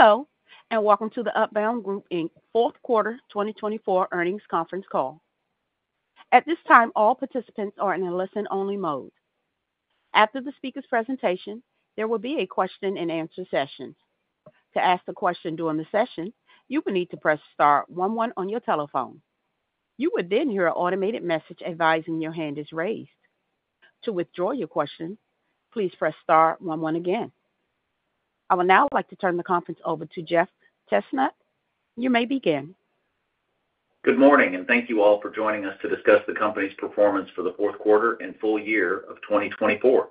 Hello, and welcome to the Upbound Group Inc. Fourth Quarter 2024 Earnings Conference Call. At this time, all participants are in a listen-only mode. After the speaker's presentation, there will be a question-and-answer session. To ask a question during the session, you will need to press star one one on your telephone. You will then hear an automated message advising your hand is raised. To withdraw your question, please press star one one again. I would now like to turn the conference over to Jeff Chesnut. You may begin. Good morning, and thank you all for joining us to discuss the company's performance for the fourth quarter and full year of 2024.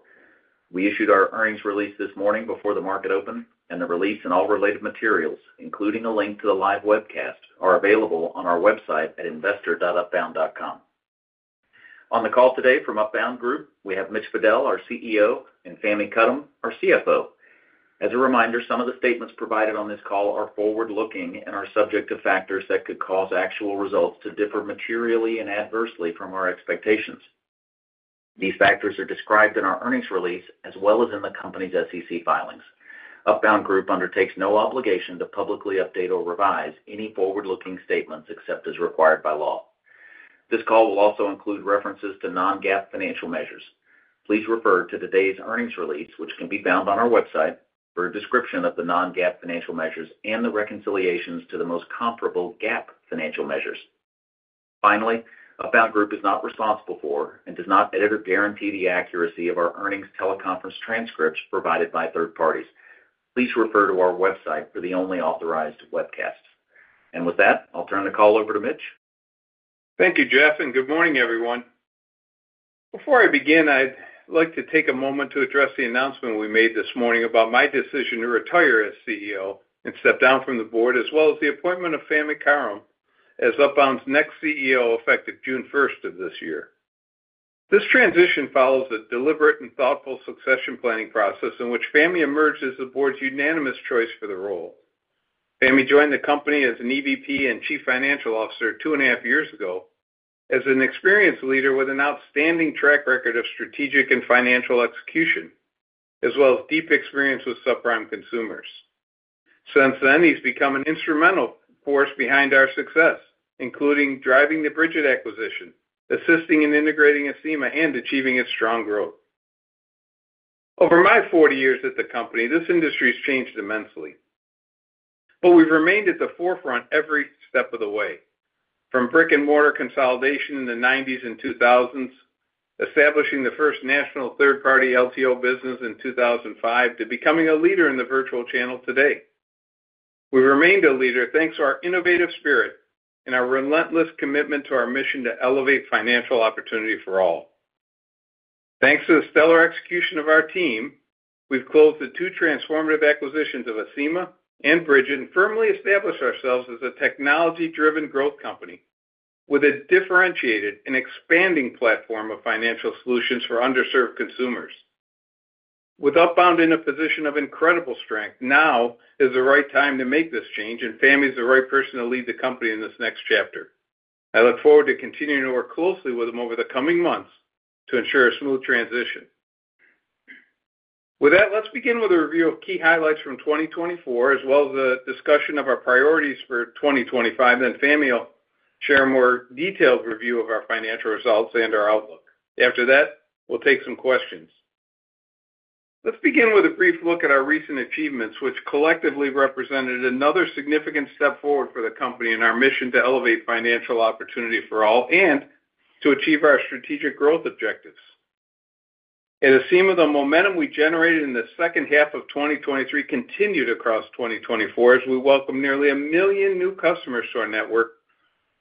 We issued our earnings release this morning before the market opened, and the release and all related materials, including a link to the live webcast, are available on our website at investor.upbound.com. On the call today from Upbound Group, we have Mitch Fadel, our CEO, and Fahmi Karam, our CFO. As a reminder, some of the statements provided on this call are forward-looking and are subject to factors that could cause actual results to differ materially and adversely from our expectations. These factors are described in our earnings release as well as in the company's SEC filings. Upbound Group undertakes no obligation to publicly update or revise any forward-looking statements except as required by law. This call will also include references to non-GAAP financial measures. Please refer to today's earnings release, which can be found on our website, for a description of the non-GAAP financial measures and the reconciliations to the most comparable GAAP financial measures. Finally, Upbound Group is not responsible for and does not edit or guarantee the accuracy of our earnings teleconference transcripts provided by third parties. Please refer to our website for the only authorized webcasts. And with that, I'll turn the call over to Mitch. Thank you, Jeff, and good morning, everyone. Before I begin, I'd like to take a moment to address the announcement we made this morning about my decision to retire as CEO and step down from the board, as well as the appointment of Fahmi Karam as Upbound's next CEO, effective June 1st of this year. This transition follows a deliberate and thoughtful succession planning process in which Fahmi emerged as the board's unanimous choice for the role. Fahmi joined the company as an EVP and Chief Financial Officer two and a half years ago as an experienced leader with an outstanding track record of strategic and financial execution, as well as deep experience with subprime consumers. Since then, he's become an instrumental force behind our success, including driving the Brigit acquisition, assisting in integrating Acima, and achieving its strong growth. Over my 40 years at the company, this industry has changed immensely, but we've remained at the forefront every step of the way, from brick-and-mortar consolidation in the 1990s and 2000s, establishing the first national third-party LTO business in 2005, to becoming a leader in the virtual channel today. We've remained a leader thanks to our innovative spirit and our relentless commitment to our mission to elevate financial opportunity for all. Thanks to the stellar execution of our team, we've closed the two transformative acquisitions of Acima and Brigit, and firmly established ourselves as a technology-driven growth company with a differentiated and expanding platform of financial solutions for underserved consumers. With Upbound in a position of incredible strength, now is the right time to make this change, and Fahmi is the right person to lead the company in this next chapter. I look forward to continuing to work closely with them over the coming months to ensure a smooth transition. With that, let's begin with a review of key highlights from 2024, as well as a discussion of our priorities for 2025, then Fahmi will share a more detailed review of our financial results and our outlook. After that, we'll take some questions. Let's begin with a brief look at our recent achievements, which collectively represented another significant step forward for the company in our mission to elevate financial opportunity for all and to achieve our strategic growth objectives. At Acima, the momentum we generated in the second half of 2023 continued across 2024 as we welcomed nearly a million new customers to our network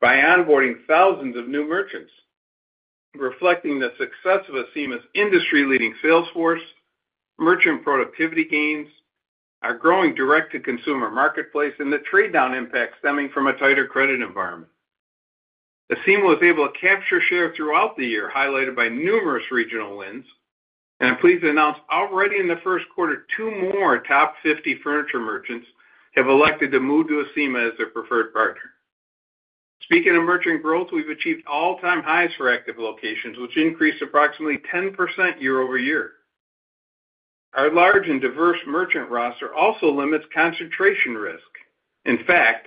by onboarding thousands of new merchants, reflecting the success of Acima's industry-leading sales force, merchant productivity gains, our growing direct-to-consumer marketplace, and the trade-down impact stemming from a tighter credit environment. Acima was able to capture share throughout the year, highlighted by numerous regional wins, and I'm pleased to announce already in the first quarter, two more top 50 furniture merchants have elected to move to Acima as their preferred partner. Speaking of merchant growth, we've achieved all-time highs for active locations, which increased approximately 10% year-over-year. Our large and diverse merchant roster also limits concentration risk. In fact,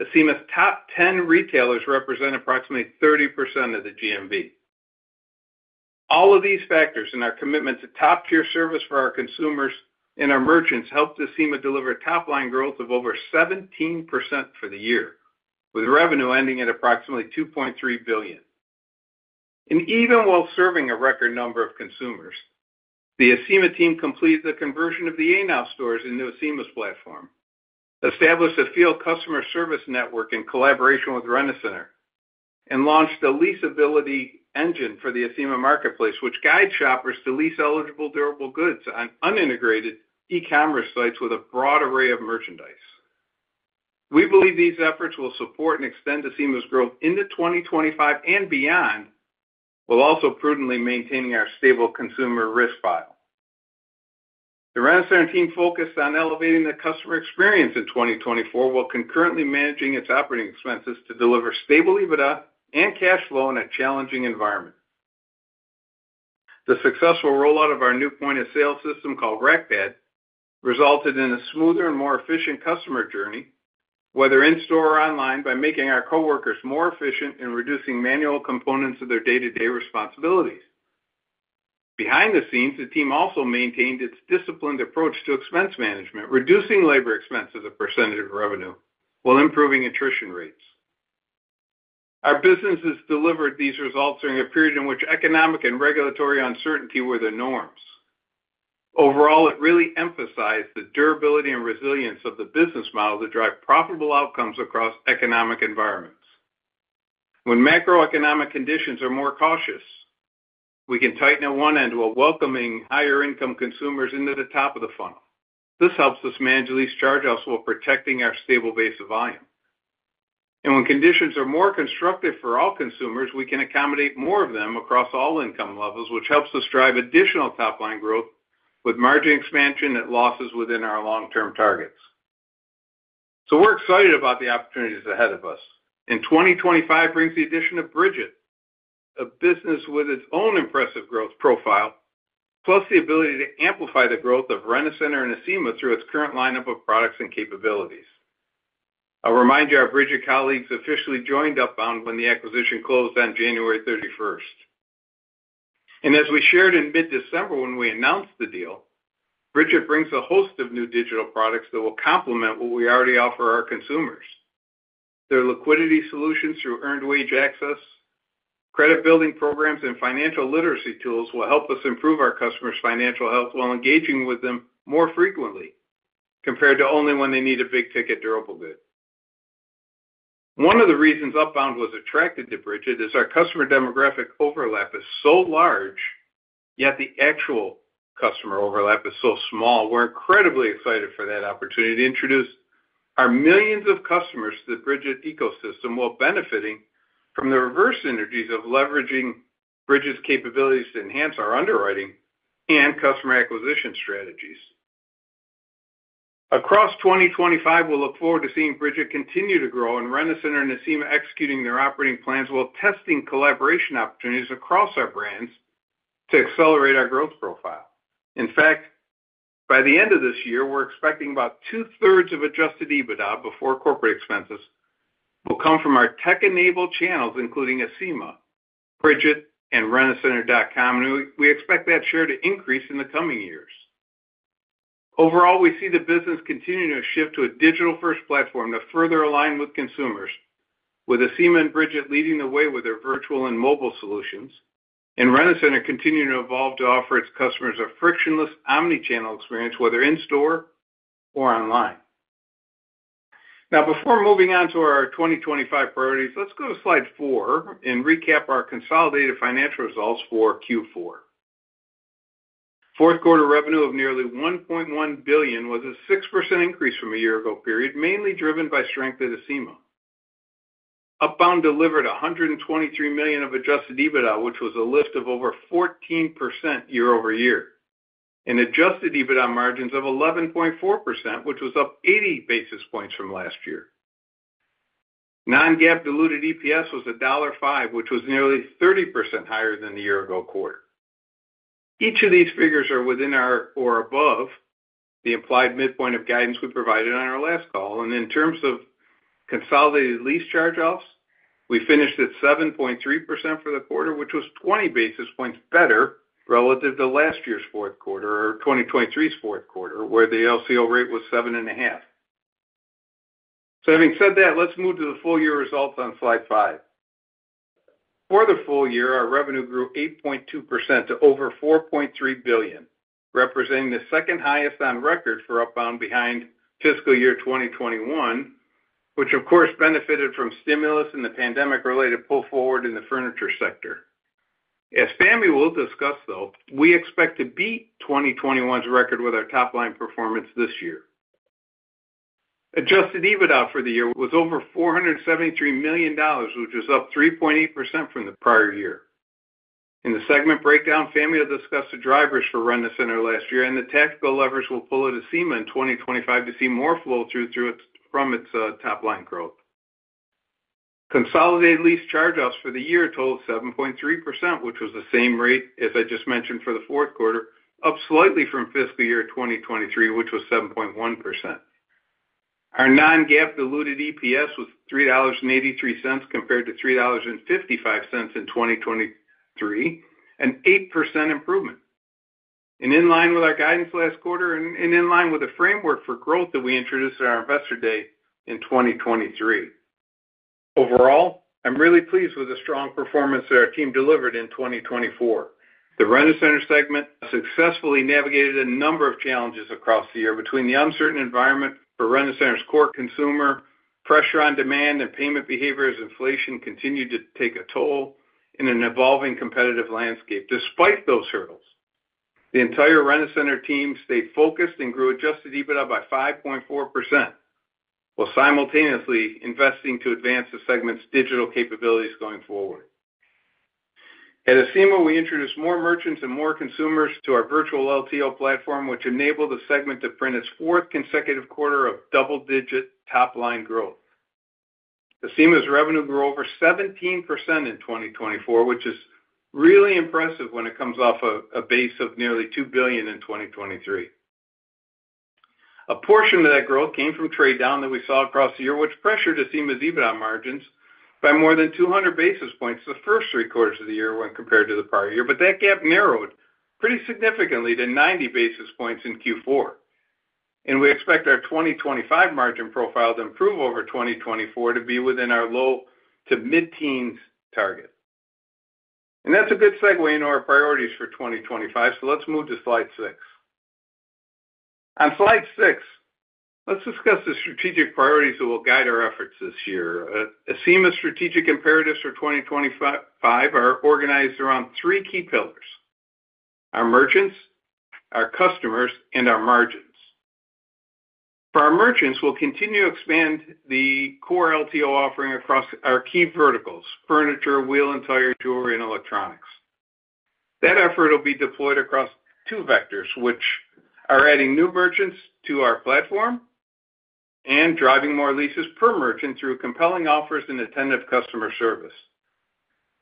Acima's top 10 retailers represent approximately 30% of the GMV. All of these factors and our commitment to top-tier service for our consumers and our merchants helped Acima deliver top-line growth of over 17% for the year, with revenue ending at approximately $2.3 billion. Even while serving a record number of consumers, the Acima team completed the conversion of the ANOW stores into Acima's platform, established a field customer service network in collaboration with Rent-A-Center, and launched a Leasability Engine for the Acima marketplace, which guides shoppers to lease eligible durable goods on unintegrated e-commerce sites with a broad array of merchandise. We believe these efforts will support and extend Acima's growth into 2025 and beyond, while also prudently maintaining our stable consumer risk file. The Rent-A-Center team focused on elevating the customer experience in 2024 while concurrently managing its operating expenses to deliver stable EBITDA and cash flow in a challenging environment. The successful rollout of our new point-of-sale system called RACPAD resulted in a smoother and more efficient customer journey, whether in-store or online, by making our coworkers more efficient and reducing manual components of their day-to-day responsibilities. Behind the scenes, the team also maintained its disciplined approach to expense management, reducing labor expenses a percentage of revenue while improving attrition rates. Our business has delivered these results during a period in which economic and regulatory uncertainty were the norms. Overall, it really emphasized the durability and resilience of the business model to drive profitable outcomes across economic environments. When macroeconomic conditions are more cautious, we can tighten at one end while welcoming higher-income consumers into the top of the funnel. This helps us manage lease charge-offs while protecting our stable base of volume. And when conditions are more constructive for all consumers, we can accommodate more of them across all income levels, which helps us drive additional top-line growth with margin expansion at losses within our long-term targets. So we're excited about the opportunities ahead of us. And 2025 brings the addition of Brigit, a business with its own impressive growth profile, plus the ability to amplify the growth of Rent-A-Center and Acima through its current lineup of products and capabilities. I'll remind you our Brigit colleagues officially joined Upbound when the acquisition closed on January 31st. And as we shared in mid-December when we announced the deal, Brigit brings a host of new digital products that will complement what we already offer our consumers. Their liquidity solutions through earned wage access, credit-building programs, and financial literacy tools will help us improve our customers' financial health while engaging with them more frequently compared to only when they need a big-ticket durable good. One of the reasons Upbound was attracted to Brigit is our customer demographic overlap is so large, yet the actual customer overlap is so small. We're incredibly excited for that opportunity to introduce our millions of customers to the Brigit ecosystem while benefiting from the reverse synergies of leveraging Brigit's capabilities to enhance our underwriting and customer acquisition strategies. Across 2025, we'll look forward to seeing Brigit continue to grow and Rent-A-Center and Acima executing their operating plans while testing collaboration opportunities across our brands to accelerate our growth profile. In fact, by the end of this year, we're expecting about two-thirds of adjusted EBITDA before corporate expenses will come from our tech-enabled channels, including Acima, Brigit, and Rent-A-Center.com, and we expect that share to increase in the coming years. Overall, we see the business continuing to shift to a digital-first platform to further align with consumers, with Acima and Brigit leading the way with their virtual and mobile solutions, and Rent-A-Center continuing to evolve to offer its customers a frictionless omnichannel experience, whether in-store or online. Now, before moving on to our 2025 priorities, let's go to slide four and recap our consolidated financial results for Q4. Fourth quarter revenue of nearly $1.1 billion was a 6% increase from a year ago period, mainly driven by strength at Acima. Upbound delivered $123 million of adjusted EBITDA, which was a lift of over 14% year-over-year, and adjusted EBITDA margins of 11.4%, which was up 80 basis points from last year. Non-GAAP diluted EPS was $5, which was nearly 30% higher than the year-ago quarter. Each of these figures are within or above the implied midpoint of guidance we provided on our last call. In terms of consolidated lease charge-offs, we finished at 7.3% for the quarter, which was 20 basis points better relative to last year's fourth quarter or 2023's fourth quarter, where the LCO rate was 7.5%. Having said that, let's move to the full-year results on slide five. For the full year, our revenue grew 8.2% to over $4.3 billion, representing the second highest on record for Upbound behind fiscal year 2021, which, of course, benefited from stimulus and the pandemic-related pull forward in the furniture sector. As Fahmi will discuss, though, we expect to beat 2021's record with our top-line performance this year. Adjusted EBITDA for the year was over $473 million, which was up 3.8% from the prior year. In the segment breakdown, Fahmi will discuss the drivers for Rent-A-Center last year and the tactical levers we will pull at Acima in 2025 to see more flow through from its top-line growth. Consolidated lease charge-offs for the year totaled 7.3%, which was the same rate, as I just mentioned, for the fourth quarter, up slightly from fiscal year 2023, which was 7.1%. Our non-GAAP diluted EPS was $3.83 compared to $3.55 in 2023, an 8% improvement, and in line with our guidance last quarter and in line with the framework for growth that we introduced at our investor day in 2023. Overall, I'm really pleased with the strong performance that our team delivered in 2024. The Rent-A-Center segment successfully navigated a number of challenges across the year between the uncertain environment for Rent-A-Center's core consumer, pressure on demand, and payment behavior as inflation continued to take a toll in an evolving competitive landscape. Despite those hurdles, the entire Rent-A-Center team stayed focused and grew Adjusted EBITDA by 5.4% while simultaneously investing to advance the segment's digital capabilities going forward. At Acima, we introduced more merchants and more consumers to our virtual LTO platform, which enabled the segment to print its fourth consecutive quarter of double-digit top-line growth. Acima's revenue grew over 17% in 2024, which is really impressive when it comes off a base of nearly $2 billion in 2023. A portion of that growth came from trade-down that we saw across the year, which pressured Acima's EBITDA margins by more than 200 basis points the first three quarters of the year when compared to the prior year, but that gap narrowed pretty significantly to 90 basis points in Q4. We expect our 2025 margin profile to improve over 2024 to be within our low- to mid-teens target. That's a good segue into our priorities for 2025, so let's move to slide six. On slide six, let's discuss the strategic priorities that will guide our efforts this year. Acima's strategic imperatives for 2025 are organized around three key pillars: our merchants, our customers, and our margins. For our merchants, we'll continue to expand the core LTO offering across our key verticals: furniture, wheel and tire, jewelry, and electronics. That effort will be deployed across two vectors, which are adding new merchants to our platform and driving more leases per merchant through compelling offers and attentive customer service.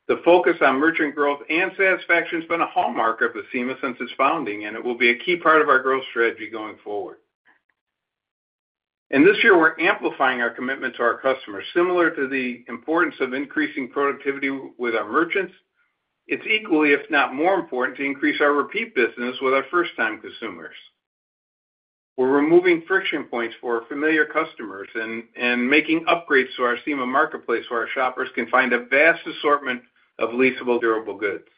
The focus on merchant growth and satisfaction has been a hallmark of Acima since its founding, and it will be a key part of our growth strategy going forward. And this year, we're amplifying our commitment to our customers. Similar to the importance of increasing productivity with our merchants, it's equally, if not more important, to increase our repeat business with our first-time consumers. We're removing friction points for our familiar customers and making upgrades to our Acima marketplace where our shoppers can find a vast assortment of leasable durable goods.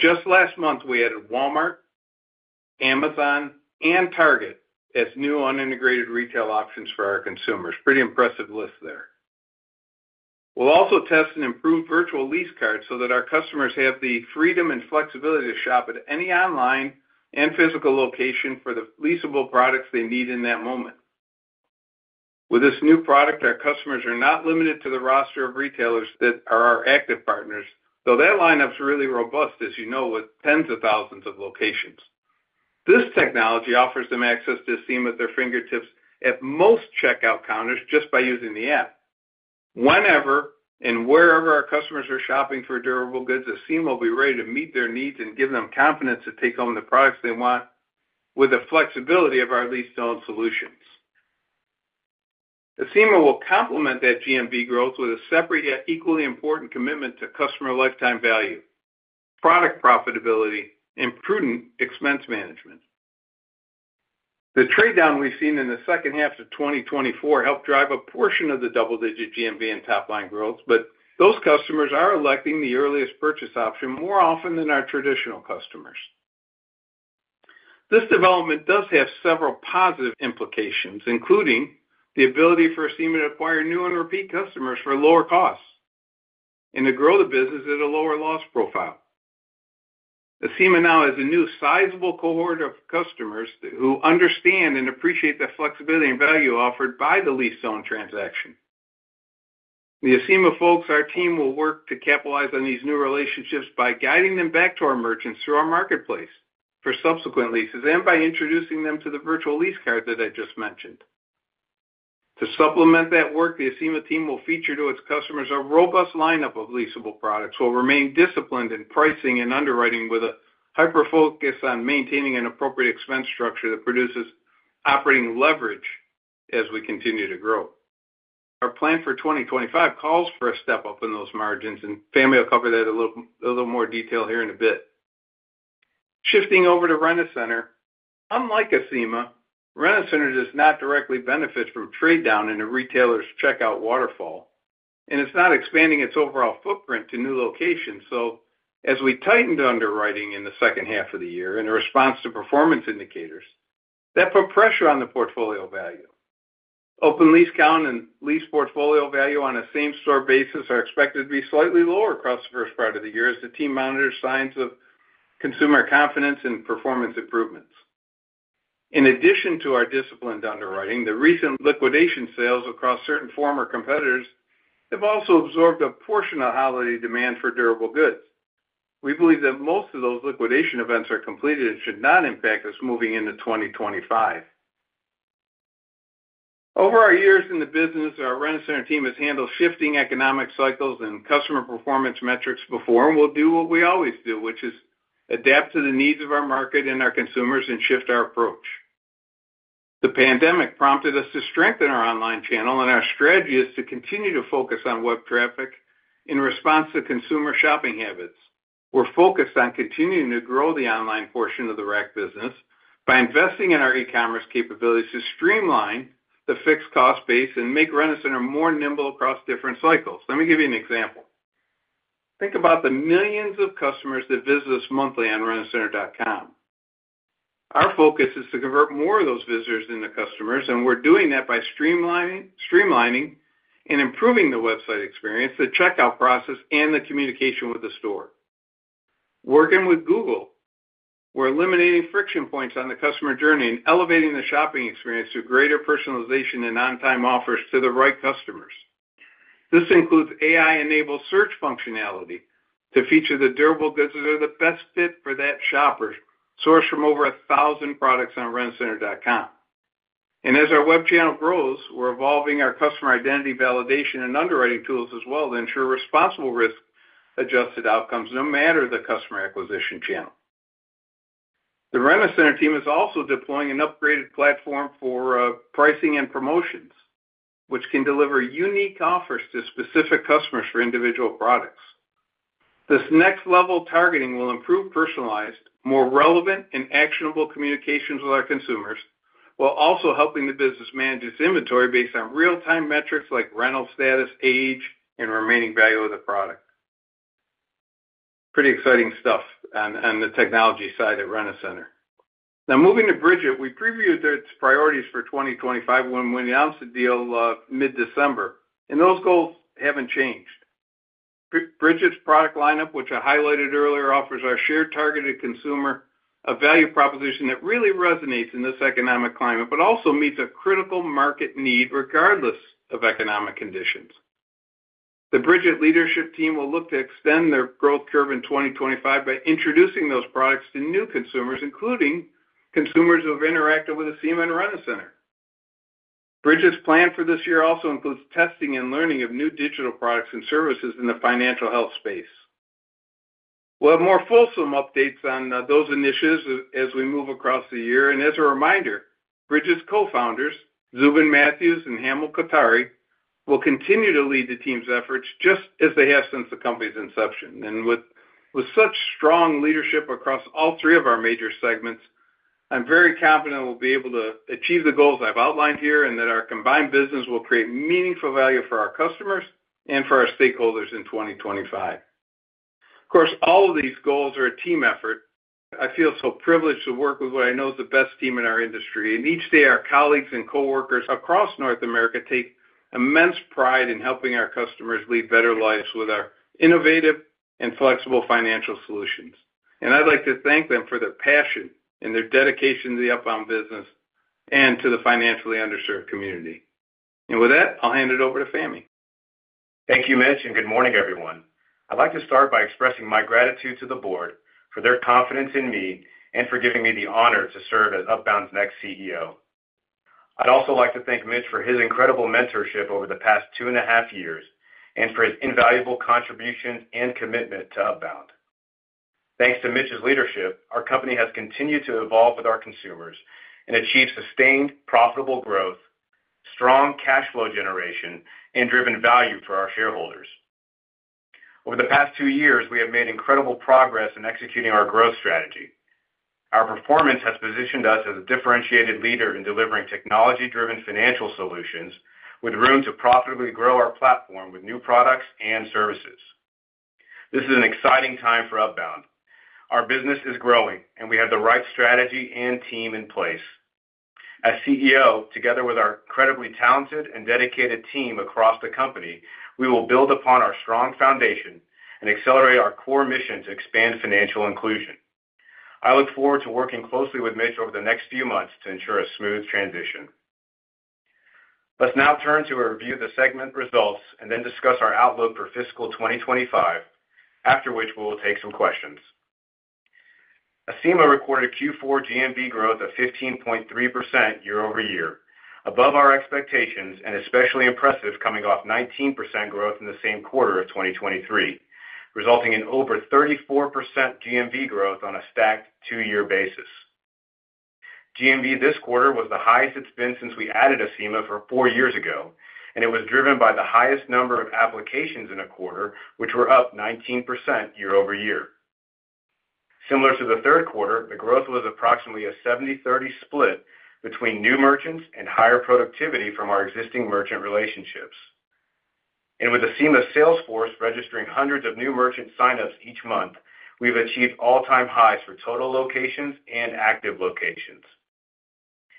Just last month, we added Walmart, Amazon, and Target as new unintegrated retail options for our consumers. Pretty impressive list there. We'll also test and improve virtual lease cards so that our customers have the freedom and flexibility to shop at any online and physical location for the leasable products they need in that moment. With this new product, our customers are not limited to the roster of retailers that are our active partners, though that lineup is really robust, as you know, with tens of thousands of locations. This technology offers them access to Acima at their fingertips at most checkout counters just by using the app. Whenever and wherever our customers are shopping for durable goods, Acima will be ready to meet their needs and give them confidence to take home the products they want with the flexibility of our lease-to-own solutions. Acima will complement that GMV growth with a separate yet equally important commitment to customer lifetime value, product profitability, and prudent expense management. The trade-down we've seen in the second half of 2024 helped drive a portion of the double-digit GMV and top-line growth, but those customers are electing the earliest purchase option more often than our traditional customers. This development does have several positive implications, including the ability for Acima to acquire new and repeat customers for lower costs and to grow the business at a lower loss profile. Acima now has a new sizable cohort of customers who understand and appreciate the flexibility and value offered by the lease-to-own transaction. The Acima folks, our team, will work to capitalize on these new relationships by guiding them back to our merchants through our marketplace for subsequent leases and by introducing them to the virtual lease card that I just mentioned. To supplement that work, the Acima team will feature to its customers a robust lineup of leasable products while remaining disciplined in pricing and underwriting with a hyper-focus on maintaining an appropriate expense structure that produces operating leverage as we continue to grow. Our plan for 2025 calls for a step up in those margins, and Fahmi will cover that in a little more detail here in a bit. Shifting over to Rent-A-Center, unlike Acima, Rent-A-Center does not directly benefit from trade-down in a retailer's checkout waterfall, and it's not expanding its overall footprint to new locations. So as we tightened underwriting in the second half of the year in response to performance indicators, that put pressure on the portfolio value. Open lease count and lease portfolio value on a same-store basis are expected to be slightly lower across the first part of the year as the team monitors signs of consumer confidence and performance improvements. In addition to our disciplined underwriting, the recent liquidation sales across certain former competitors have also absorbed a portion of holiday demand for durable goods. We believe that most of those liquidation events are completed and should not impact us moving into 2025. Over our years in the business, our Rent-A-Center team has handled shifting economic cycles and customer performance metrics before and will do what we always do, which is adapt to the needs of our market and our consumers and shift our approach. The pandemic prompted us to strengthen our online channel, and our strategy is to continue to focus on web traffic in response to consumer shopping habits. We're focused on continuing to grow the online portion of the RAC business by investing in our e-commerce capabilities to streamline the fixed cost base and make Rent-A-Center more nimble across different cycles. Let me give you an example. Think about the millions of customers that visit us monthly on rentacenter.com. Our focus is to convert more of those visitors into customers, and we're doing that by streamlining and improving the website experience, the checkout process, and the communication with the store. Working with Google, we're eliminating friction points on the customer journey and elevating the shopping experience to greater personalization and on-time offers to the right customers. This includes AI-enabled search functionality to feature the durable goods that are the best fit for that shopper, sourced from over 1,000 products on Rent-A-Center.com. And as our web channel grows, we're evolving our customer identity validation and underwriting tools as well to ensure responsible risk-adjusted outcomes, no matter the customer acquisition channel. The Rent-A-Center team is also deploying an upgraded platform for pricing and promotions, which can deliver unique offers to specific customers for individual products. This next-level targeting will improve personalized, more relevant, and actionable communications with our consumers while also helping the business manage its inventory based on real-time metrics like rental status, age, and remaining value of the product. Pretty exciting stuff on the technology side at Rent-A-Center. Now, moving to Brigit, we previewed its priorities for 2025 when we announced a deal mid-December, and those goals haven't changed. Brigit's product lineup, which I highlighted earlier, offers our shared targeted consumer a value proposition that really resonates in this economic climate, but also meets a critical market need regardless of economic conditions. The Brigit leadership team will look to extend their growth curve in 2025 by introducing those products to new consumers, including consumers who have interacted with Acima and Rent-A-Center. Brigit's plan for this year also includes testing and learning of new digital products and services in the financial health space. We'll have more fulsome updates on those initiatives as we move across the year. As a reminder, Brigit's co-founders, Zuben Mathews and Hamel Kothari, will continue to lead the team's efforts just as they have since the company's inception. And with such strong leadership across all three of our major segments, I'm very confident we'll be able to achieve the goals I've outlined here and that our combined business will create meaningful value for our customers and for our stakeholders in 2025. Of course, all of these goals are a team effort. I feel so privileged to work with what I know is the best team in our industry. And each day, our colleagues and coworkers across North America take immense pride in helping our customers lead better lives with our innovative and flexible financial solutions. And I'd like to thank them for their passion and their dedication to the Upbound business and to the financially underserved community. And with that, I'll hand it over to Fahmi. Thank you, Mitch, and good morning, everyone. I'd like to start by expressing my gratitude to the board for their confidence in me and for giving me the honor to serve as Upbound's next CEO. I'd also like to thank Mitch for his incredible mentorship over the past two and a half years and for his invaluable contributions and commitment to Upbound. Thanks to Mitch's leadership, our company has continued to evolve with our consumers and achieve sustained, profitable growth, strong cash flow generation, and driven value for our shareholders. Over the past two years, we have made incredible progress in executing our growth strategy. Our performance has positioned us as a differentiated leader in delivering technology-driven financial solutions with room to profitably grow our platform with new products and services. This is an exciting time for Upbound. Our business is growing, and we have the right strategy and team in place. As CEO, together with our incredibly talented and dedicated team across the company, we will build upon our strong foundation and accelerate our core mission to expand financial inclusion. I look forward to working closely with Mitch over the next few months to ensure a smooth transition. Let's now turn to a review of the segment results and then discuss our outlook for fiscal 2025, after which we will take some questions. Acima recorded Q4 GMV growth of 15.3% year-over-year, above our expectations and especially impressive coming off 19% growth in the same quarter of 2023, resulting in over 34% GMV growth on a stacked two-year basis. GMV this quarter was the highest it's been since we added Acima four years ago, and it was driven by the highest number of applications in a quarter, which were up 19% year-over-year. Similar to the third quarter, the growth was approximately a 70/30 split between new merchants and higher productivity from our existing merchant relationships. And with Acima's sales force registering hundreds of new merchant signups each month, we've achieved all-time highs for total locations and active locations.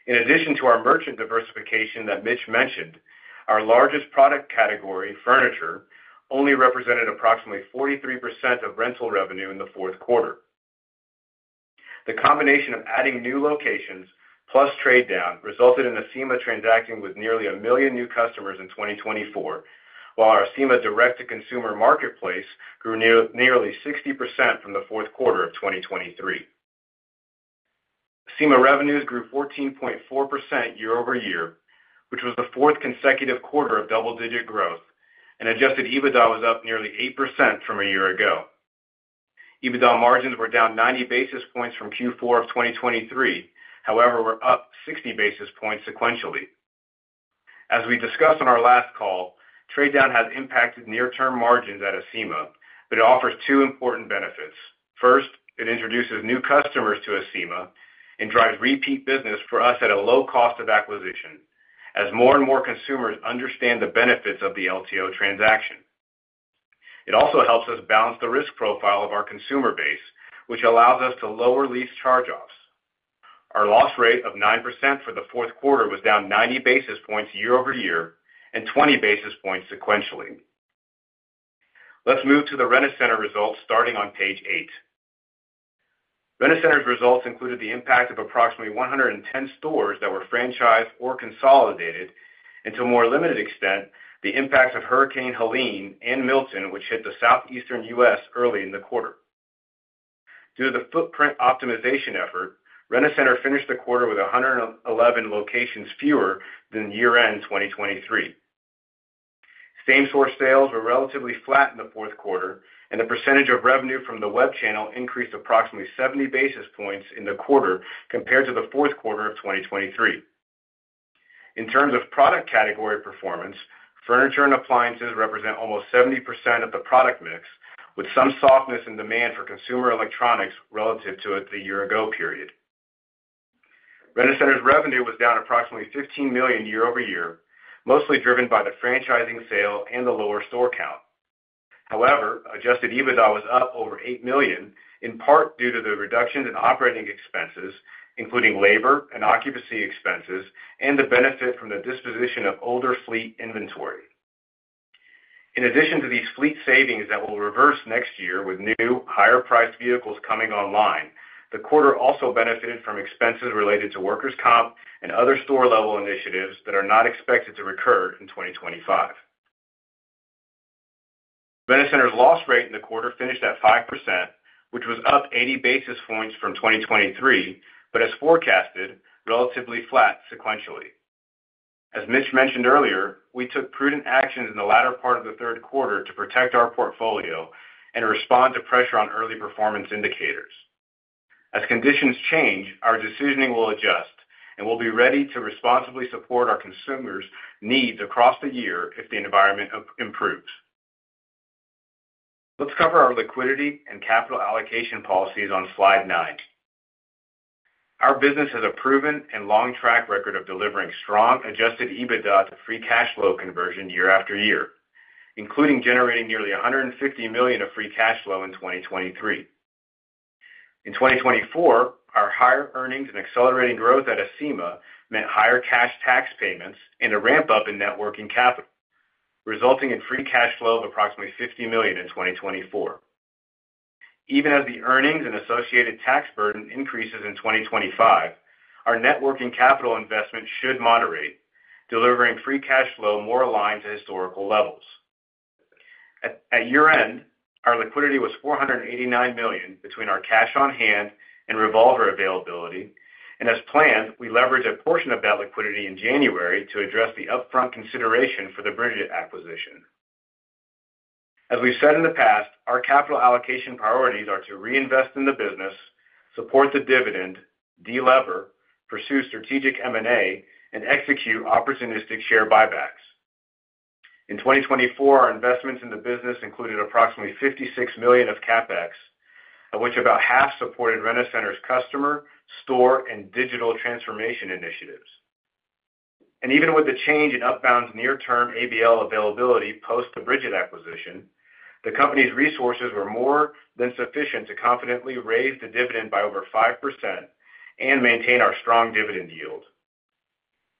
In addition to our merchant diversification that Mitch mentioned, our largest product category, furniture, only represented approximately 43% of rental revenue in the fourth quarter. The combination of adding new locations plus trade-down resulted in Acima transacting with nearly a million new customers in 2024, while our Acima direct-to-consumer marketplace grew nearly 60% from the fourth quarter of 2023. Acima revenues grew 14.4% year-over-year, which was the fourth consecutive quarter of double-digit growth, and adjusted EBITDA was up nearly 8% from a year ago. EBITDA margins were down 90 basis points from Q4 of 2023. However, we're up 60 basis points sequentially. As we discussed on our last call, trade-down has impacted near-term margins at Acima, but it offers two important benefits. First, it introduces new customers to Acima and drives repeat business for us at a low cost of acquisition as more and more consumers understand the benefits of the LTO transaction. It also helps us balance the risk profile of our consumer base, which allows us to lower lease charge-offs. Our loss rate of 9% for the fourth quarter was down 90 basis points year-over-year and 20 basis points sequentially. Let's move to the Rent-A-Center results starting on page eight. Rent-A-Center's results included the impact of approximately 110 stores that were franchised or consolidated, and to a more limited extent, the impacts of Hurricane Helene and Milton, which hit the southeastern U.S. early in the quarter. Due to the footprint optimization effort, Rent-A-Center finished the quarter with 111 locations fewer than year-end 2023. Same-store sales were relatively flat in the fourth quarter, and the percentage of revenue from the web channel increased approximately 70 basis points in the quarter compared to the fourth quarter of 2023. In terms of product category performance, furniture and appliances represent almost 70% of the product mix, with some softness in demand for consumer electronics relative to the year-ago period. Rent-A-Center's revenue was down approximately $15 million year-over-year, mostly driven by the franchising sale and the lower store count. However, Adjusted EBITDA was up over $8 million, in part due to the reductions in operating expenses, including labor and occupancy expenses, and the benefit from the disposition of older fleet inventory. In addition to these fleet savings that will reverse next year with new, higher-priced vehicles coming online, the quarter also benefited from expenses related to workers' comp and other store-level initiatives that are not expected to recur in 2025. Rent-A-Center's loss rate in the quarter finished at 5%, which was up 80 basis points from 2023, but as forecasted, relatively flat sequentially. As Mitch mentioned earlier, we took prudent actions in the latter part of the third quarter to protect our portfolio and respond to pressure on early performance indicators. As conditions change, our decisioning will adjust, and we'll be ready to responsibly support our consumers' needs across the year if the environment improves. Let's cover our liquidity and capital allocation policies on slide nine. Our business has a proven and long track record of delivering strong Adjusted EBITDA to free cash flow conversion year after year, including generating nearly $150 million of free cash flow in 2023. In 2024, our higher earnings and accelerating growth at Acima meant higher cash tax payments and a ramp-up in working capital, resulting in free cash flow of approximately $50 million in 2024. Even as the earnings and associated tax burden increases in 2025, our working capital investment should moderate, delivering free cash flow more aligned to historical levels. At year-end, our liquidity was $489 million between our cash on hand and revolver availability, and as planned, we leveraged a portion of that liquidity in January to address the upfront consideration for the Brigit acquisition. As we've said in the past, our capital allocation priorities are to reinvest in the business, support the dividend, delever, pursue strategic M&A, and execute opportunistic share buybacks. In 2024, our investments in the business included approximately $56 million of CapEx, of which about half supported Rent-A-Center's customer, store, and digital transformation initiatives. And even with the change in Upbound's near-term ABL availability post the Brigit acquisition, the company's resources were more than sufficient to confidently raise the dividend by over 5% and maintain our strong dividend yield.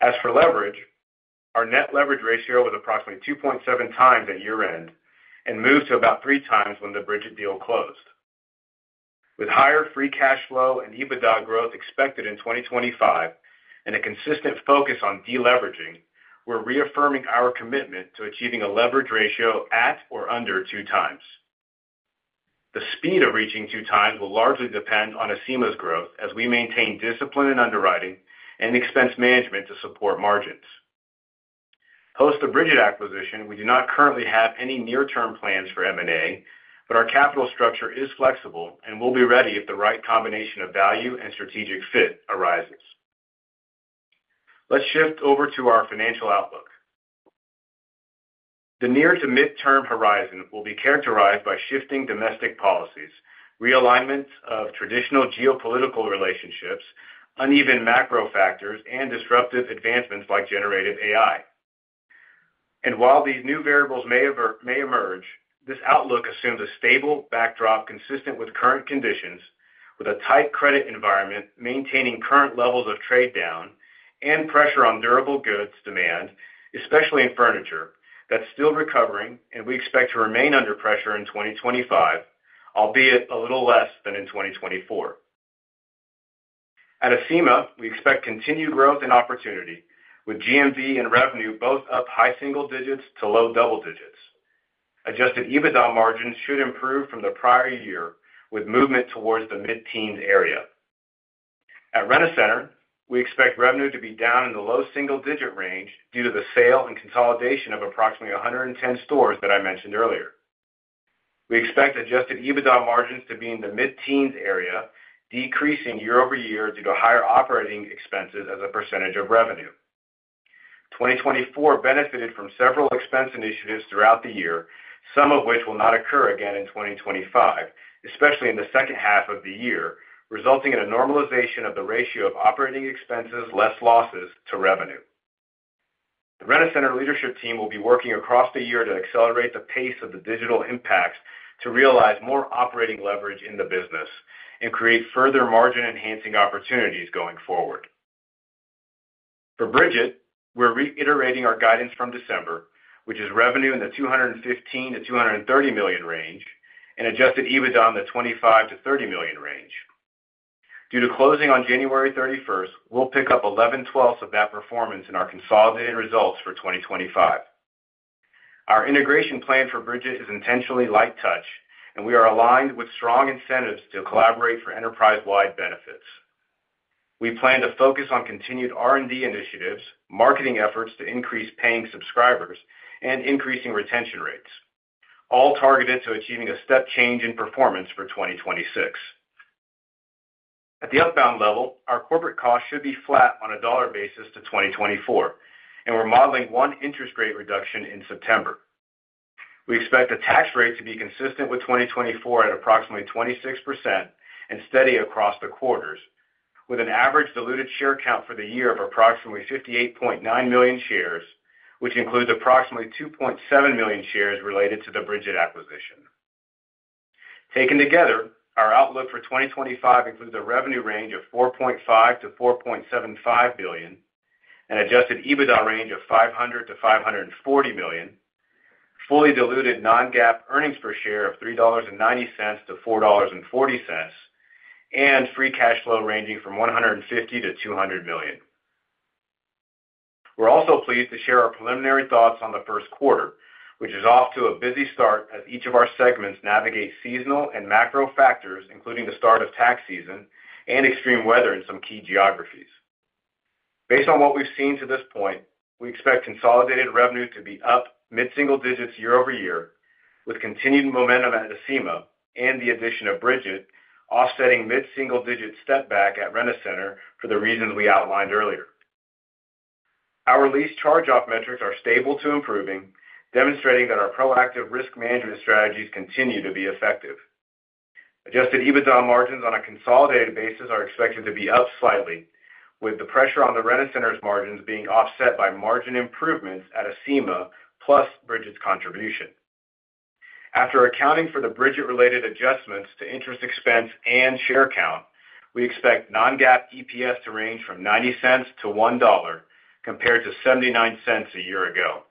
As for leverage, our net leverage ratio was approximately 2.7 times at year-end and moved to about three times when the Brigit deal closed. With higher free cash flow and EBITDA growth expected in 2025 and a consistent focus on deleveraging, we're reaffirming our commitment to achieving a leverage ratio at or under two times. The speed of reaching two times will largely depend on Acima's growth as we maintain discipline in underwriting and expense management to support margins. Post the Brigit acquisition, we do not currently have any near-term plans for M&A, but our capital structure is flexible and will be ready if the right combination of value and strategic fit arises. Let's shift over to our financial outlook. The near-to-mid-term horizon will be characterized by shifting domestic policies, realignment of traditional geopolitical relationships, uneven macro factors, and disruptive advancements like Generative AI, and while these new variables may emerge, this outlook assumes a stable backdrop consistent with current conditions, with a tight credit environment, maintaining current levels of trade-down, and pressure on durable goods demand, especially in furniture, that's still recovering, and we expect to remain under pressure in 2025, albeit a little less than in 2024. At Acima, we expect continued growth and opportunity, with GMV and revenue both up high single digits to low double digits. Adjusted EBITDA margins should improve from the prior year, with movement towards the mid-teens area. At Rent-A-Center, we expect revenue to be down in the low single-digit range due to the sale and consolidation of approximately 110 stores that I mentioned earlier. We expect adjusted EBITDA margins to be in the mid-teens area, decreasing year-over-year due to higher operating expenses as a percentage of revenue. 2024 benefited from several expense initiatives throughout the year, some of which will not occur again in 2025, especially in the second half of the year, resulting in a normalization of the ratio of operating expenses less losses to revenue. The Rent-A-Center leadership team will be working across the year to accelerate the pace of the digital impacts to realize more operating leverage in the business and create further margin-enhancing opportunities going forward. For Brigit, we're reiterating our guidance from December, which is revenue in the $215 million-$230 million range and Adjusted EBITDA in the $25 million-$30 million range. Due to closing on January 31st, we'll pick up 11/12 of that performance in our consolidated results for 2025. Our integration plan for Brigit is intentionally light touch, and we are aligned with strong incentives to collaborate for enterprise-wide benefits. We plan to focus on continued R&D initiatives, marketing efforts to increase paying subscribers, and increasing retention rates, all targeted to achieving a step change in performance for 2026. At the Upbound level, our corporate cost should be flat on a dollar basis to 2024, and we're modeling one interest rate reduction in September. We expect the tax rate to be consistent with 2024 at approximately 26% and steady across the quarters, with an average diluted share count for the year of approximately 58.9 million shares, which includes approximately 2.7 million shares related to the Brigit acquisition. Taken together, our outlook for 2025 includes a revenue range of $4.5 billion-$4.75 billion, an adjusted EBITDA range of $500 million-$540 million, fully diluted non-GAAP earnings per share of $3.90-$4.40, and free cash flow ranging from $150 million-$200 million. We're also pleased to share our preliminary thoughts on the first quarter, which is off to a busy start as each of our segments navigates seasonal and macro factors, including the start of tax season and extreme weather in some key geographies. Based on what we've seen to this point, we expect consolidated revenue to be up mid-single digits year-over-year, with continued momentum at Acima and the addition of Brigit, offsetting mid-single digit step back at Rent-A-Center for the reasons we outlined earlier. Our lease charge-off metrics are stable to improving, demonstrating that our proactive risk management strategies continue to be effective. Adjusted EBITDA margins on a consolidated basis are expected to be up slightly, with the pressure on the Rent-A-Center's margins being offset by margin improvements at Acima plus Brigit's contribution. After accounting for the Brigit-related adjustments to interest expense and share count, we expect non-GAAP EPS to range from $0.90-$1 compared to $0.79 a year ago.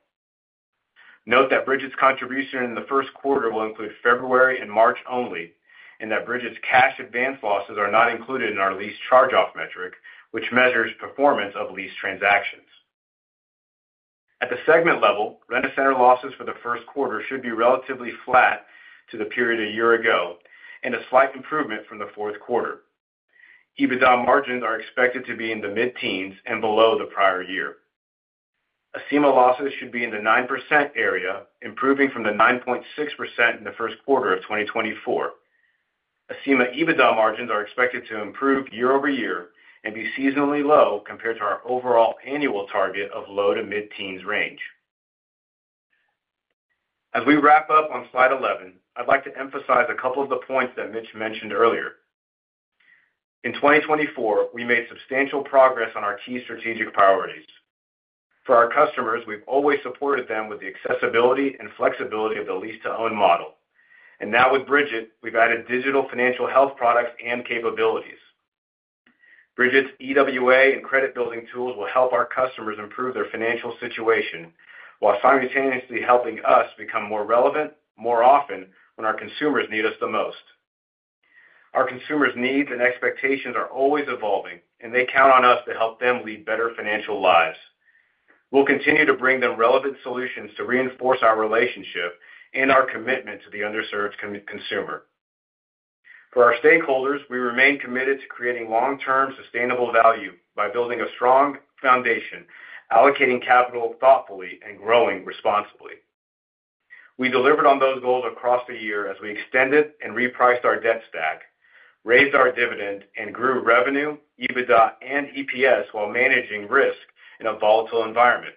Note that Brigit's contribution in the first quarter will include February and March only, and that Brigit's cash advance losses are not included in our lease charge-off metric, which measures performance of lease transactions. At the segment level, Rent-A-Center losses for the first quarter should be relatively flat to the period a year ago and a slight improvement from the fourth quarter. EBITDA margins are expected to be in the mid-teens and below the prior year. Acima losses should be in the 9% area, improving from the 9.6% in the first quarter of 2024. Acima EBITDA margins are expected to improve year-over-year and be seasonally low compared to our overall annual target of low to mid-teens range. As we wrap up on slide 11, I'd like to emphasize a couple of the points that Mitch mentioned earlier. In 2024, we made substantial progress on our key strategic priorities. For our customers, we've always supported them with the accessibility and flexibility of the lease-to-own model, and now with Brigit, we've added digital financial health products and capabilities. Brigit's EWA and credit-building tools will help our customers improve their financial situation while simultaneously helping us become more relevant more often when our consumers need us the most. Our consumers' needs and expectations are always evolving, and they count on us to help them lead better financial lives. We'll continue to bring them relevant solutions to reinforce our relationship and our commitment to the underserved consumer. For our stakeholders, we remain committed to creating long-term sustainable value by building a strong foundation, allocating capital thoughtfully, and growing responsibly. We delivered on those goals across the year as we extended and repriced our debt stack, raised our dividend, and grew revenue, EBITDA, and EPS while managing risk in a volatile environment.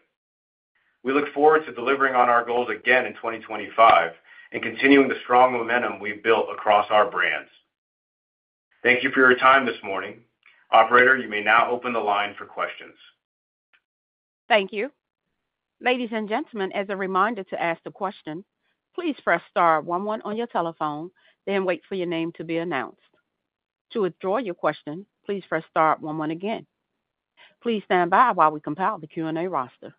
We look forward to delivering on our goals again in 2025 and continuing the strong momentum we've built across our brands. Thank you for your time this morning. Operator, you may now open the line for questions. Thank you. Ladies and gentlemen, as a reminder to ask the question, please press star 11 on your telephone, then wait for your name to be announced. To withdraw your question, please press star 11 again. Please stand by while we compile the Q&A roster.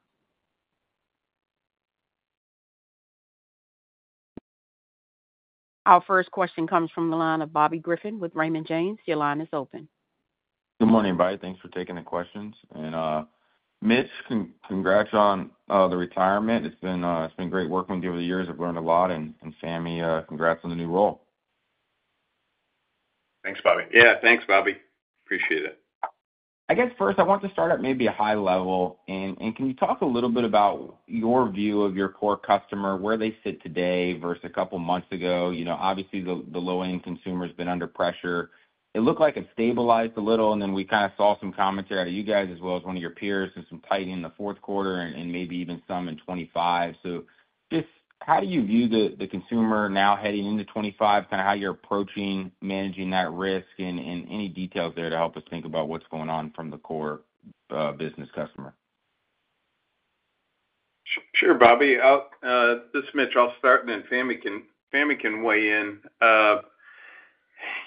Our first question comes from the line of Bobby Griffin with Raymond James. Your line is open. Good morning, everybody. Thanks for taking the questions. And Mitch, congrats on the retirement. It's been great working with you over the years. I've learned a lot, and Fahmi, congrats on the new role. Thanks, Bobby. Yeah, thanks, Bobby. Appreciate it. I guess first, I want to start at maybe a high level and can you talk a little bit about your view of your core customer, where they sit today versus a couple of months ago? Obviously, the low-end consumer has been under pressure. It looked like it stabilized a little, and then we kind of saw some commentary out of you guys as well as one of your peers and some tightening in the fourth quarter and maybe even some in 2025, so just how do you view the consumer now heading into 2025, kind of how you're approaching managing that risk and any details there to help us think about what's going on from the core business customer? Sure, Bobby. This is Mitch. I'll start, and then Fahmi can weigh in.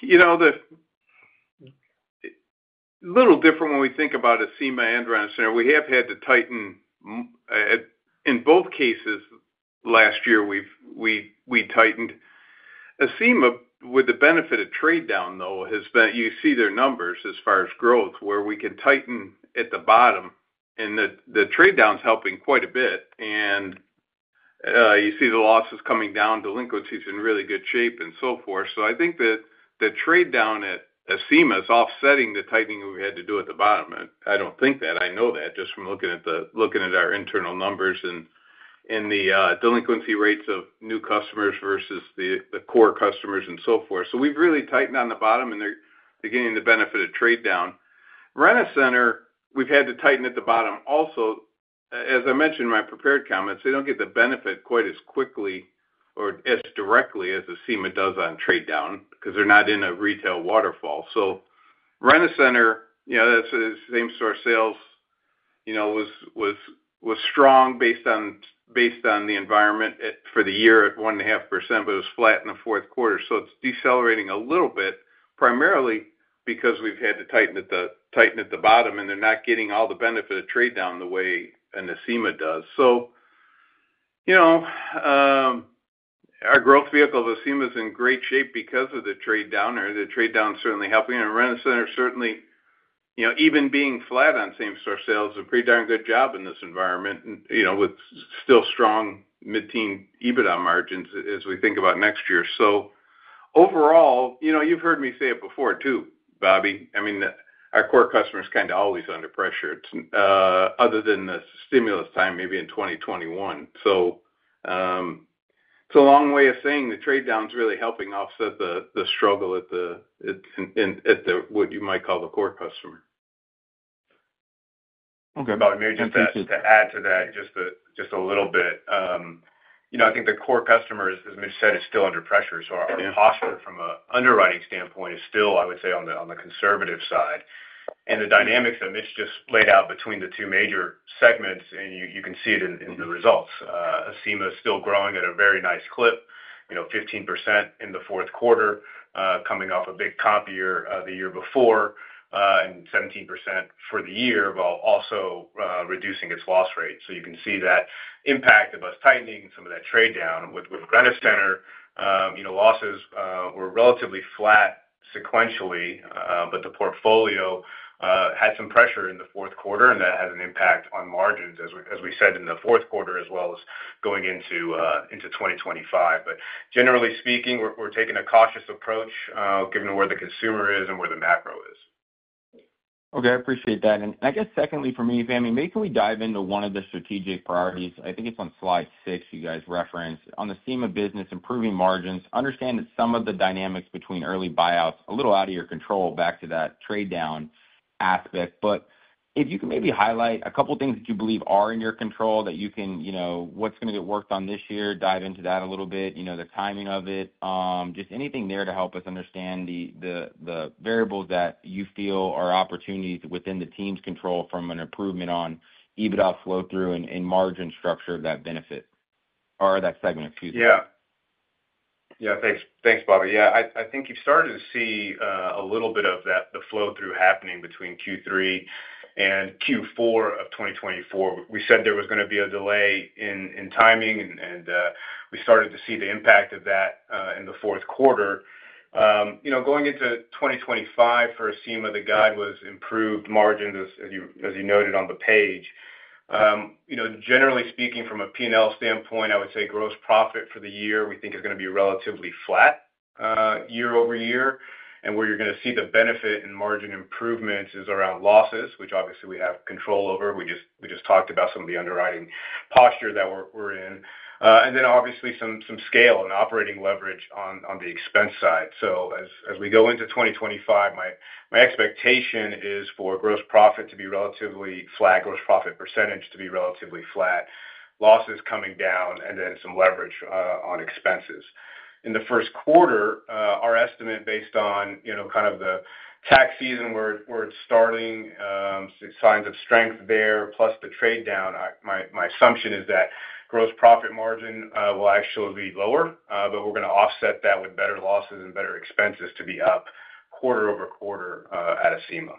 It's a little different when we think about Acima and Rent-A-Center. We have had to tighten in both cases last year. We tightened. Acima, with the benefit of trade-down, though, has been. You see their numbers as far as growth, where we can tighten at the bottom, and the trade-down is helping quite a bit. And you see the losses coming down. Delinquencies are in really good shape and so forth. So I think that the trade-down at Acima is offsetting the tightening we had to do at the bottom. I don't think that. I know that just from looking at our internal numbers and the delinquency rates of new customers versus the core customers and so forth. So we've really tightened on the bottom, and they're getting the benefit of trade-down. Rent-A-Center, we've had to tighten at the bottom also. As I mentioned in my prepared comments, they don't get the benefit quite as quickly or as directly as Acima does on trade-down because they're not in a retail waterfall. So Rent-A-Center, that's the same sort of sales, was strong based on the environment for the year at 1.5%, but it was flat in the fourth quarter. So it's decelerating a little bit primarily because we've had to tighten at the bottom, and they're not getting all the benefit of trade-down the way Acima does. So our growth vehicle of Acima is in great shape because of the trade-down. The trade-down is certainly helping, and Rent-A-Center is certainly, even being flat on same-store sales, a pretty darn good job in this environment with still strong mid-teens EBITDA margins as we think about next year. So overall, you've heard me say it before too, Bobby. I mean, our core customer is kind of always under pressure other than the stimulus time maybe in 2021. So it's a long way of saying the trade-down is really helping offset the struggle at what you might call the core customer. Okay. Bobby, maybe just to add to that just a little bit. I think the core customer, as Mitch said, is still under pressure. So our cost from an underwriting standpoint is still, I would say, on the conservative side. And the dynamics that Mitch just laid out between the two major segments, and you can see it in the results. Acima is still growing at a very nice clip, 15% in the fourth quarter, coming off a big comp year the year before, and 17% for the year while also reducing its loss rate. So you can see that impact of us tightening some of that trade-down. With Rent-A-Center, losses were relatively flat sequentially, but the portfolio had some pressure in the fourth quarter, and that had an impact on margins, as we said, in the fourth quarter as well as going into 2025. But generally speaking, we're taking a cautious approach given where the consumer is and where the macro is. Okay. I appreciate that. And I guess secondly for me, Fahmi, maybe can we dive into one of the strategic priorities? I think it's on slide six you guys referenced. On the theme of business, improving margins, understand that some of the dynamics between early buyouts are a little out of your control back to that trade-down aspect. But if you can maybe highlight a couple of things that you believe are in your control that you can, what's going to get worked on this year, dive into that a little bit, the timing of it, just anything there to help us understand the variables that you feel are opportunities within the team's control from an improvement on EBITDA flow-through and margin structure of that benefit or that segment. Yeah. Yeah. Thanks, Bobby. Yeah. I think you've started to see a little bit of the flow-through happening between Q3 and Q4 of 2024. We said there was going to be a delay in timing, and we started to see the impact of that in the fourth quarter. Going into 2025 for Acima, the guide was improved margins, as you noted on the page. Generally speaking, from a P&L standpoint, I would say gross profit for the year, we think, is going to be relatively flat year-over-year, and where you're going to see the benefit and margin improvements is around losses, which obviously we have control over. We just talked about some of the underwriting posture that we're in, and then obviously some scale and operating leverage on the expense side, so as we go into 2025, my expectation is for gross profit to be relatively flat, gross profit percentage to be relatively flat, losses coming down, and then some leverage on expenses. In the first quarter, our estimate based on kind of the tax season where it's starting, signs of strength there, plus the trade-down, my assumption is that gross profit margin will actually be lower, but we're going to offset that with better losses and better expenses to be up quarter over quarter at Acima.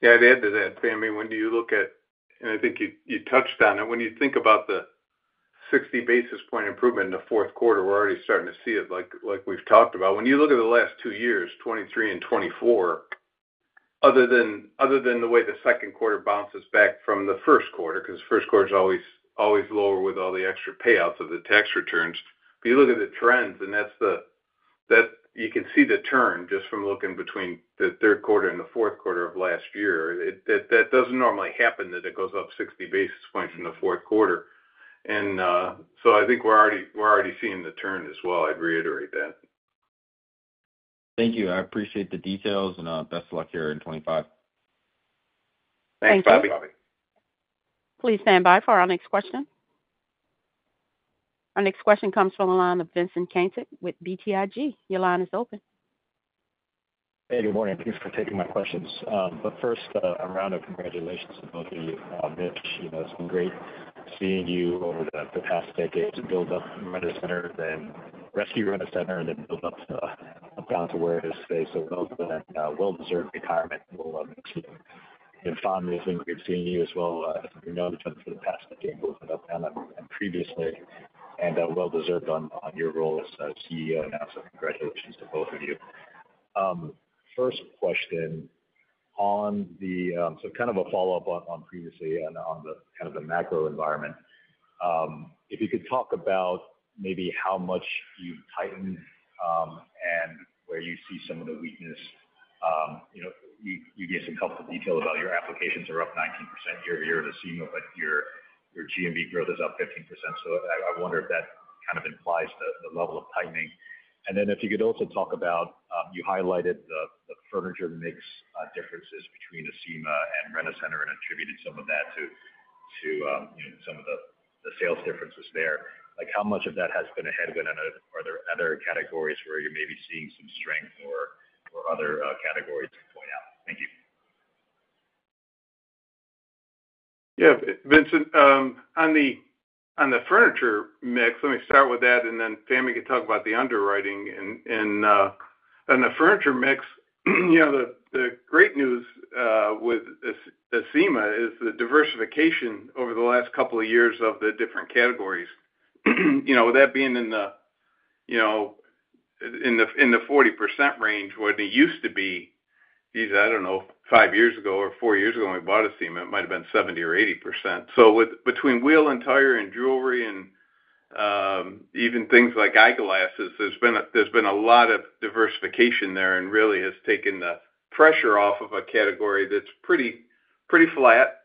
Yeah. To add to that, Fahmi, when do you look at and I think you touched on it. When you think about the 60 basis points improvement in the fourth quarter, we're already starting to see it, like we've talked about. When you look at the last two years, 2023 and 2024, other than the way the second quarter bounces back from the first quarter, because the first quarter is always lower with all the extra payouts of the tax returns, but you look at the trends, and you can see the turn just from looking between the third quarter and the fourth quarter of last year. That doesn't normally happen that it goes up 60 basis points in the fourth quarter. And so I think we're already seeing the turn as well. I'd reiterate that. Thank you. I appreciate the details, and best of luck here in 2025. Thanks, Bobby. Please stand by for our next question. Our next question comes from the line of Vincent Caintic with BTIG. Your line is open. Hey, good morning. Thanks for taking my questions. First, a round of congratulations to both of you, Mitch. It's been great seeing you over the past decade to build up Rent-A-Center and rescue Rent-A-Center and then build up Upbound to where it is today. So well-deserved retirement. We'll see you in fond remembrances. Great seeing you as well. I think we've known each other for the past decade both in Upbound and previously, and well-deserved on your role as CEO. Congratulations to both of you. First question, so kind of a follow-up on previously and on the kind of the macro environment. If you could talk about maybe how much you've tightened and where you see some of the weakness. You gave some helpful detail about your applications are up 19% year-over-year at Acima, but your GMV growth is up 15%. So I wonder if that kind of implies the level of tightening. And then if you could also talk about you highlighted the furniture mix differences between Acima and Rent-A-Center and attributed some of that to some of the sales differences there. How much of that has been ahead of it? And are there other categories where you're maybe seeing some strength or other categories to point out? Thank you. Yeah. Vincent, on the furniture mix, let me start with that, and then Fahmi can talk about the underwriting. And on the furniture mix, the great news with Acima is the diversification over the last couple of years of the different categories. That being in the 40% range when it used to be, I don't know, five years ago or four years ago when we bought Acima, it might have been 70% or 80%. So between wheel and tire and jewelry and even things like eyeglasses, there's been a lot of diversification there and really has taken the pressure off of a category that's pretty flat.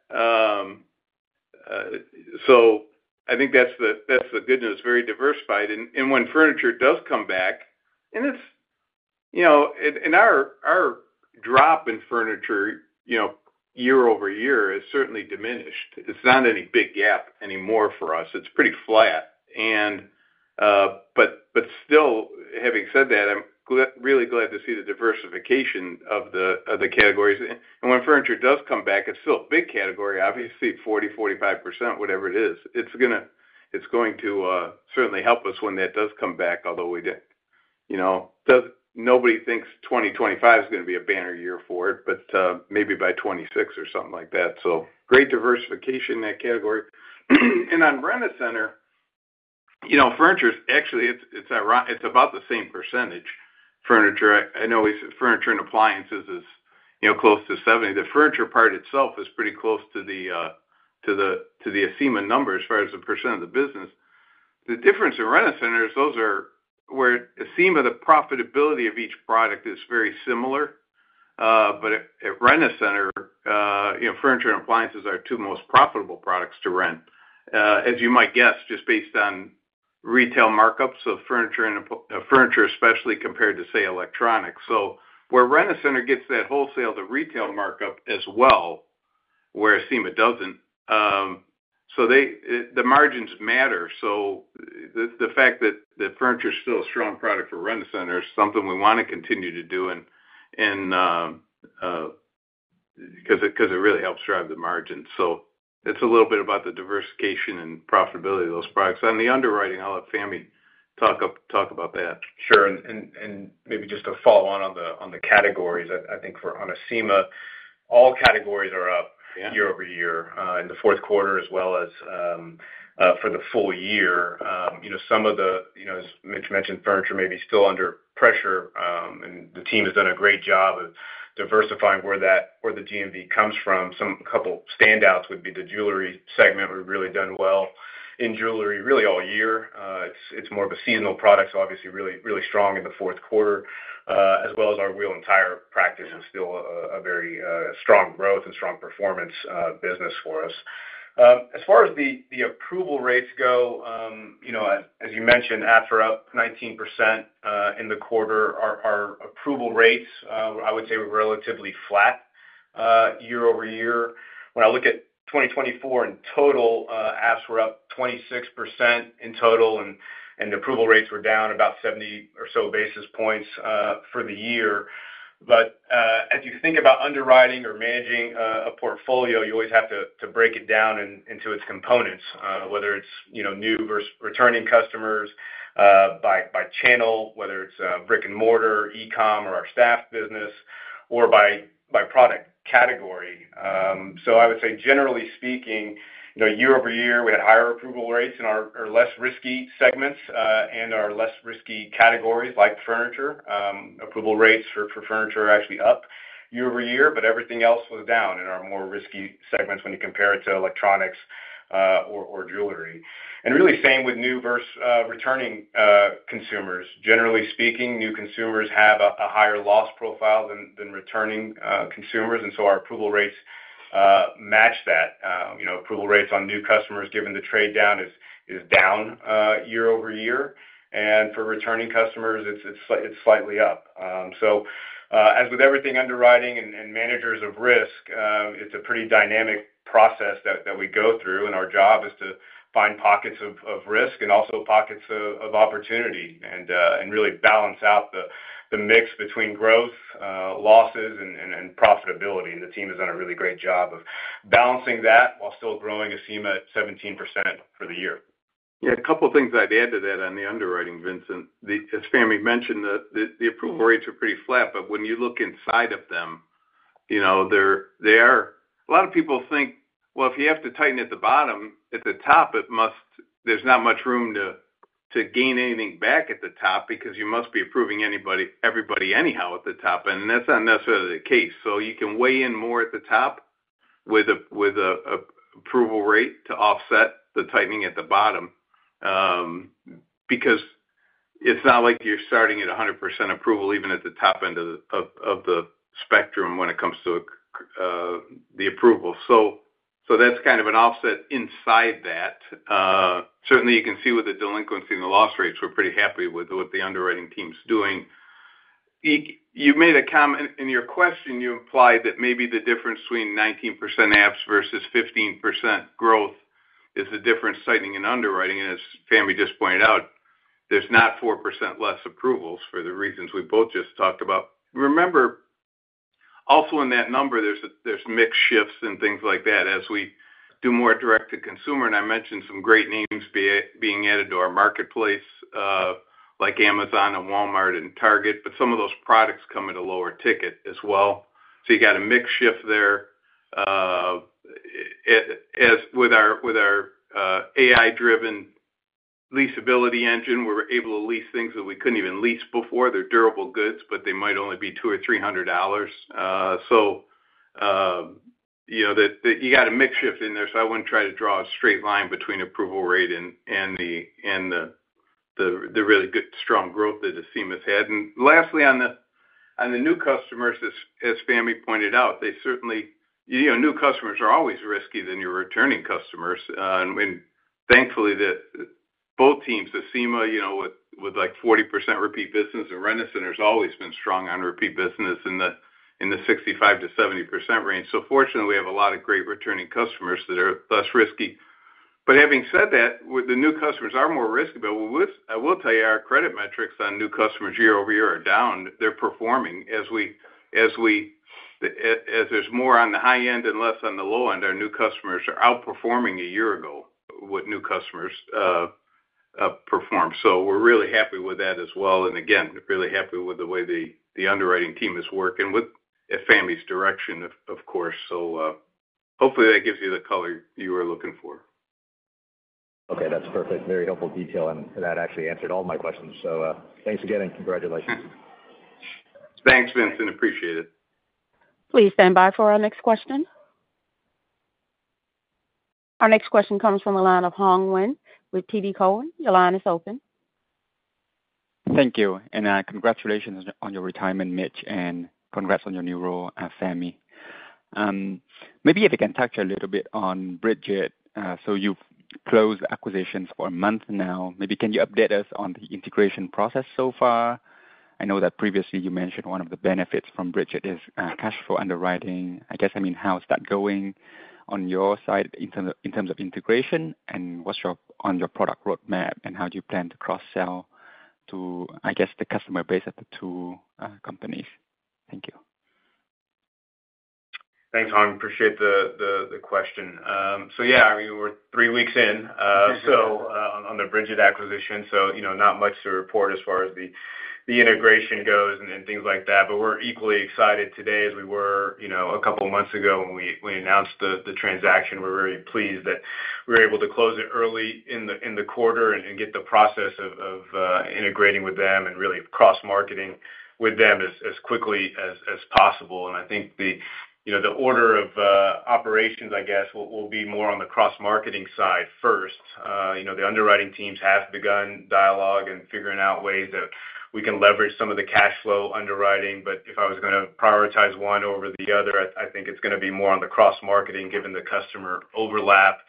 So I think that's the good news. Very diversified. And when furniture does come back, and our drop in furniture year-over-year has certainly diminished. It's not any big gap anymore for us. It's pretty flat. But still, having said that, I'm really glad to see the diversification of the categories. And when furniture does come back, it's still a big category, obviously, 40%-45%, whatever it is. It's going to certainly help us when that does come back, although we didn't. Nobody thinks 2025 is going to be a banner year for it, but maybe by 2026 or something like that. So great diversification in that category. And on Rent-A-Center, furniture is actually about the same percentage. Furniture, I know furniture and appliances is close to 70%. The furniture part itself is pretty close to the Acima number as far as the percent of the business. The difference in Rent-A-Center is those are where Acima, the profitability of each product is very similar. But at Rent-A-Center, furniture and appliances are two most profitable products to rent, as you might guess, just based on retail markups of furniture, especially compared to, say, electronics. So where Rent-A-Center gets that wholesale to retail markup as well, where Acima doesn't. So the margins matter. So the fact that furniture is still a strong product for Rent-A-Center is something we want to continue to do because it really helps drive the margin. So it's a little bit about the diversification and profitability of those products. On the underwriting, I'll let Fahmi talk about that. Sure. And maybe just to follow on the categories, I think on Acima, all categories are up year-over-year in the fourth quarter as well as for the full year. Some of the, as Mitch mentioned, furniture may be still under pressure, and the team has done a great job of diversifying where the GMV comes from. A couple of standouts would be the jewelry segment. We've really done well in jewelry really all year. It's more of a seasonal product, so obviously really strong in the fourth quarter, as well as our wheel and tire practice is still a very strong growth and strong performance business for us. As far as the approval rates go, as you mentioned, apps are up 19% in the quarter. Our approval rates, I would say, were relatively flat year-over-year. When I look at 2024 in total, apps were up 26% in total, and the approval rates were down about 70 or so basis points for the year. But as you think about underwriting or managing a portfolio, you always have to break it down into its components, whether it's new versus returning customers by channel, whether it's brick and mortar, e-comm, or our staff business, or by product category. So I would say, generally speaking, year-over-year, we had higher approval rates in our less risky segments and our less risky categories like furniture. Approval rates for furniture are actually up year-over-year, but everything else was down in our more risky segments when you compare it to electronics or jewelry. And really same with new versus returning consumers. Generally speaking, new consumers have a higher loss profile than returning consumers. And so our approval rates match that. Approval rates on new customers, given the trade-down, is down year-over-year, and for returning customers, it's slightly up. So as with everything underwriting and managers of risk, it's a pretty dynamic process that we go through. Our job is to find pockets of risk and also pockets of opportunity and really balance out the mix between growth, losses, and profitability. The team has done a really great job of balancing that while still growing Acima at 17% for the year. Yeah. A couple of things I'd add to that on the underwriting, Vincent. As Fahmi mentioned, the approval rates are pretty flat. But when you look inside of them, a lot of people think, "Well, if you have to tighten at the bottom, at the top, there's not much room to gain anything back at the top because you must be approving everybody anyhow at the top." And that's not necessarily the case. So you can weigh in more at the top with an approval rate to offset the tightening at the bottom because it's not like you're starting at 100% approval, even at the top end of the spectrum when it comes to the approval. So that's kind of an offset inside that. Certainly, you can see with the delinquency and the loss rates, we're pretty happy with what the underwriting team's doing. You made a comment in your question. You implied that maybe the difference between 19% apps versus 15% growth is the difference tightening in underwriting. As Fahmi just pointed out, there's not 4% less approvals for the reasons we both just talked about. Remember, also in that number, there's mixed shifts and things like that as we do more direct-to-consumer. I mentioned some great names being added to our marketplace like Amazon and Walmart and Target. But some of those products come at a lower ticket as well. So you got a mixed shift there. With our AI-driven Leasability Engine, we're able to lease things that we couldn't even lease before. They're durable goods, but they might only be $200 or $300. So you got a mixed shift in there. So I wouldn't try to draw a straight line between approval rate and the really good strong growth that Acima's had. Lastly, on the new customers, as Fahmi pointed out, new customers are always riskier than your returning customers. And thankfully, both teams, Acima with like 40% repeat business and Rent-A-Center, has always been strong on repeat business in the 65%-70% range. So fortunately, we have a lot of great returning customers that are less risky. But having said that, the new customers are more risky. But I will tell you, our credit metrics on new customers year-over-year are down. They're performing as there's more on the high end and less on the low end. Our new customers are outperforming a year ago. What new customers perform. So we're really happy with that as well. And again, really happy with the way the underwriting team is working with Fahmi's direction, of course. So hopefully, that gives you the color you were looking for. Okay. That's perfect. Very helpful detail. And that actually answered all my questions. So thanks again and congratulations. Thanks, Vincent. Appreciate it. Please stand by for our next question. Our next question comes from the line of Hoang Nguyen with TD Cowen. Your line is open. Thank you and congratulations on your retirement, Mitch, and congrats on your new role, Fahmi. Maybe if I can touch a little bit on Brigit. So you've closed acquisitions for a month now. Maybe can you update us on the integration process so far? I know that previously you mentioned one of the benefits from Brigit is cash flow underwriting. I guess, I mean, how's that going on your side in terms of integration? And what's on your product roadmap and how do you plan to cross-sell to, I guess, the customer base at the two companies? Thank you. Thanks, Hoang. Appreciate the question. So yeah, I mean, we're three weeks in on the Brigit acquisition. Not much to report as far as the integration goes and things like that. We're equally excited today as we were a couple of months ago when we announced the transaction. We're very pleased that we were able to close it early in the quarter and get the process of integrating with them and really cross-marketing with them as quickly as possible. I think the order of operations, I guess, will be more on the cross-marketing side first. The underwriting teams have begun dialogue and figuring out ways that we can leverage some of the cash flow underwriting. If I was going to prioritize one over the other, I think it's going to be more on the cross-marketing given the customer overlap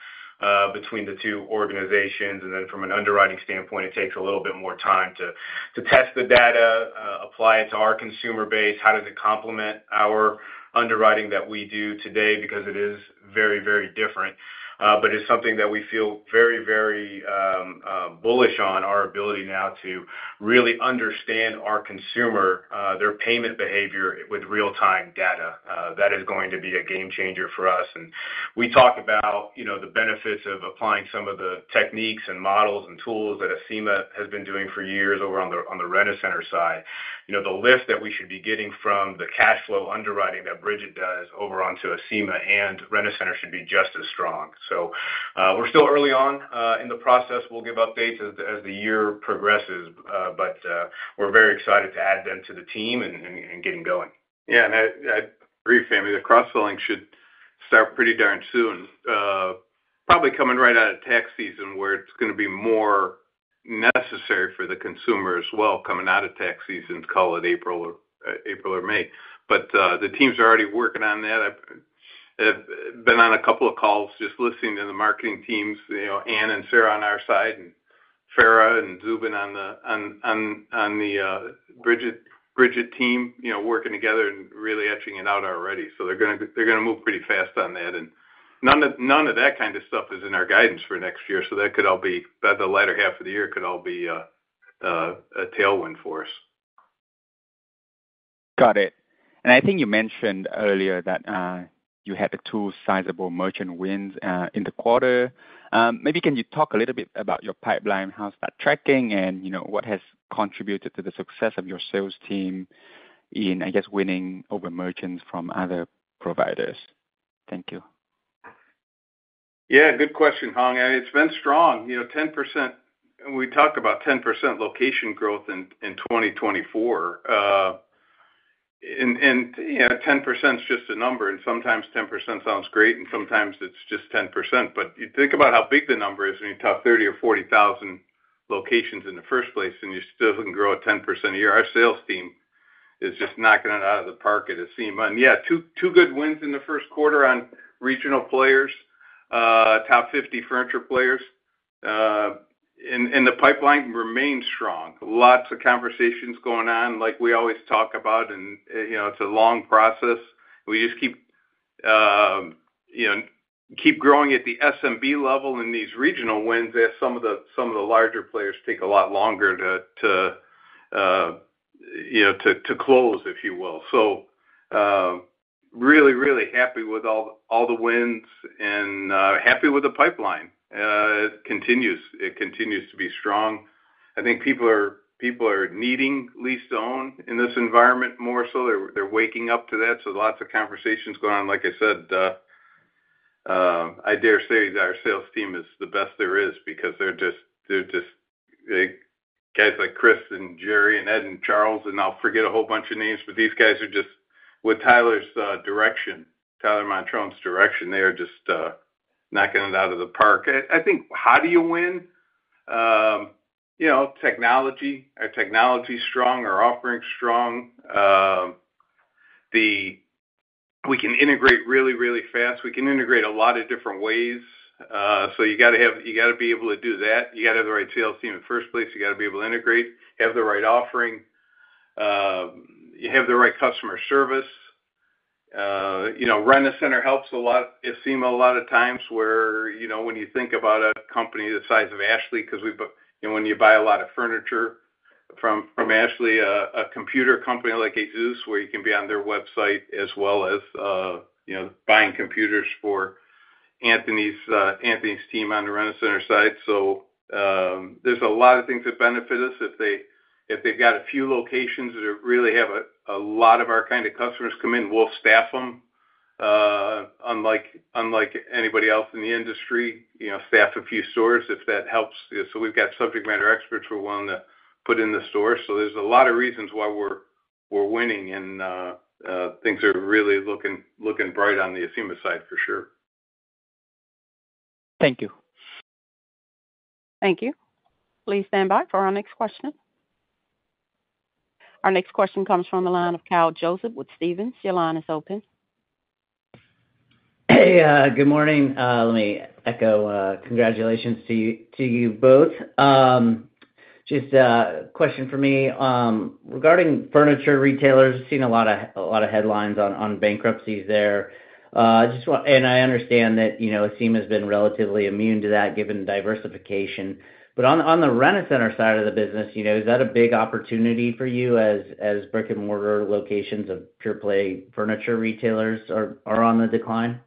between the two organizations. Then from an underwriting standpoint, it takes a little bit more time to test the data, apply it to our consumer base, how does it complement our underwriting that we do today because it is very, very different. It's something that we feel very, very bullish on, our ability now to really understand our consumer, their payment behavior with real-time data. That is going to be a game changer for us. We talk about the benefits of applying some of the techniques and models and tools that Acima has been doing for years over on the Rent-A-Center side. The lift that we should be getting from the cash flow underwriting that Brigit does over onto Acima and Rent-A-Center should be just as strong. We're still early on in the process. We'll give updates as the year progresses. But we're very excited to add them to the team and get them going. Yeah. And I agree with Fahmi. The cross-selling should start pretty darn soon, probably coming right out of tax season where it's going to be more necessary for the consumer as well coming out of tax season, call it April or May. But the teams are already working on that. I've been on a couple of calls just listening to the marketing teams, Ann and Sarah on our side, and Farah and Zuben on the Brigit team working together and really etching it out already. So they're going to move pretty fast on that. And none of that kind of stuff is in our guidance for next year. So that could all be by the latter half of the year could all be a tailwind for us. Got it. And I think you mentioned earlier that you had two sizable merchant wins in the quarter. Maybe can you talk a little bit about your pipeline, how's that tracking, and what has contributed to the success of your sales team in, I guess, winning over merchants from other providers? Thank you. Yeah. Good question, Hoang. And it's been strong. We talked about 10% location growth in 2024. And 10% is just a number. And sometimes 10% sounds great, and sometimes it's just 10%. But you think about how big the number is when you talk 30 or 40 thousand locations in the first place, and you still can grow a 10% a year. Our sales team is just knocking it out of the park at Acima. And yeah, two good wins in the first quarter on regional players, top 50 furniture players. And the pipeline remains strong. Lots of conversations going on like we always talk about. And it's a long process. We just keep growing at the SMB level in these regional wins as some of the larger players take a lot longer to close, if you will. So really, really happy with all the wins and happy with the pipeline. It continues to be strong. I think people are needing lease-to-own in this environment more so. They're waking up to that. So lots of conversations going on. Like I said, I dare say our sales team is the best there is because they're just guys like Chris and Jerry and Ed and Charles. And I'll forget a whole bunch of names. But these guys are just with Tyler's direction, Tyler Montrone's direction, they are just knocking it out of the park. I think, how do you win? Technology. Our technology's strong. Our offering's strong. We can integrate really, really fast. We can integrate a lot of different ways. So you got to be able to do that. You got to have the right sales team in the first place. You got to be able to integrate, have the right offering, have the right customer service. Rent-A-Center helps a lot, Acima a lot of times where when you think about a company the size of Ashley because when you buy a lot of furniture from Ashley, a computer company like ASUS, where you can be on their website as well as buying computers for Anthony's team on the Rent-A-Center side. So there's a lot of things that benefit us. If they've got a few locations that really have a lot of our kind of customers come in, we'll staff them unlike anybody else in the industry, staff a few stores if that helps. So we've got subject matter experts we want to put in the store. So there's a lot of reasons why we're winning. And things are really looking bright on the Acima side for sure. Thank you. Thank you. Please stand by for our next question. Our next question comes from the line of Kyle Joseph with Stephens. Your line is open. Hey, good morning. Let me echo congratulations to you both. Just a question for me. Regarding furniture retailers, I've seen a lot of headlines on bankruptcies there. And I understand that Acima has been relatively immune to that given diversification. But on the Rent-A-Center side of the business, is that a big opportunity for you as brick-and-mortar locations of pure-play furniture retailers are on the decline?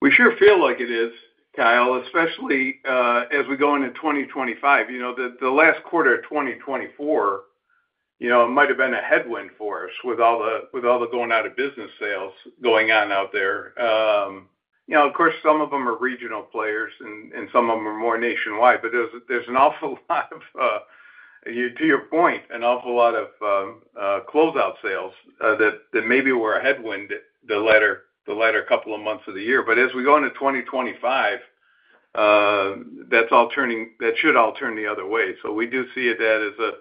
We sure feel like it is, Kyle, especially as we go into 2025. The last quarter of 2024 might have been a headwind for us with all the going-out-of-business sales going on out there. Of course, some of them are regional players, and some of them are more nationwide. But there's an awful lot of, to your point, an awful lot of closeout sales that maybe were a headwind the latter couple of months of the year. But as we go into 2025, that should all turn the other way. So we do see that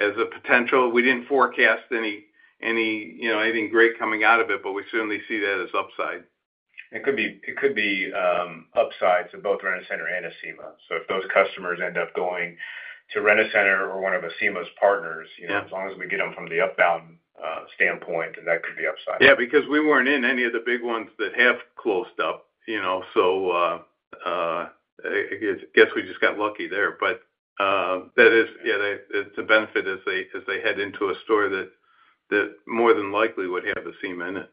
as a potential. We didn't forecast anything great coming out of it, but we certainly see that as upside. It could be upside to both Rent-A-Center and Acima. So if those customers end up going to Rent-A-Center or one of Acima's partners, as long as we get them from the Upbound standpoint, then that could be upside. Yeah, because we weren't in any of the big ones that have closed up. So I guess we just got lucky there. But yeah, the benefit is they head into a store that more than likely would have Acima in it.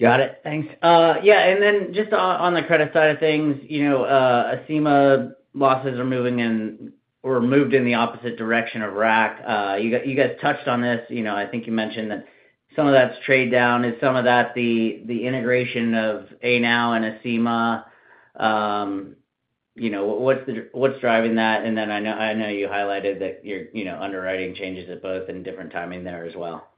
Got it. Thanks. Yeah. And then just on the credit side of things, Acima losses are moving in or moved in the opposite direction of RAC. You guys touched on this. I think you mentioned that some of that's trade-down. Is some of that the integration of ANOW and Acima? What's driving that? And then I know you highlighted that your underwriting changes at both and different timing there as well.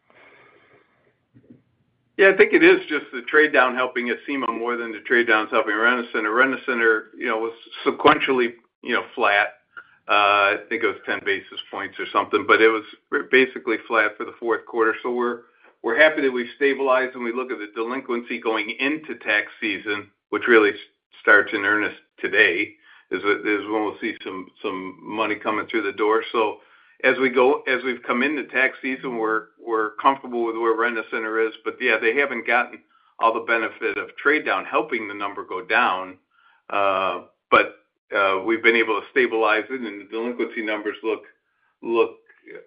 Yeah, I think it is just the trade-down helping Acima more than the trade-downs helping Rent-A-Center. Rent-A-Center was sequentially flat. I think it was 10 basis points or something. But it was basically flat for the fourth quarter. So we're happy that we've stabilized. And we look at the delinquency going into tax season, which really starts in earnest today, is when we'll see some money coming through the door. So as we've come into tax season, we're comfortable with where Rent-A-Center is. But yeah, they haven't gotten all the benefit of trade-down helping the number go down. But we've been able to stabilize it. And the delinquency numbers look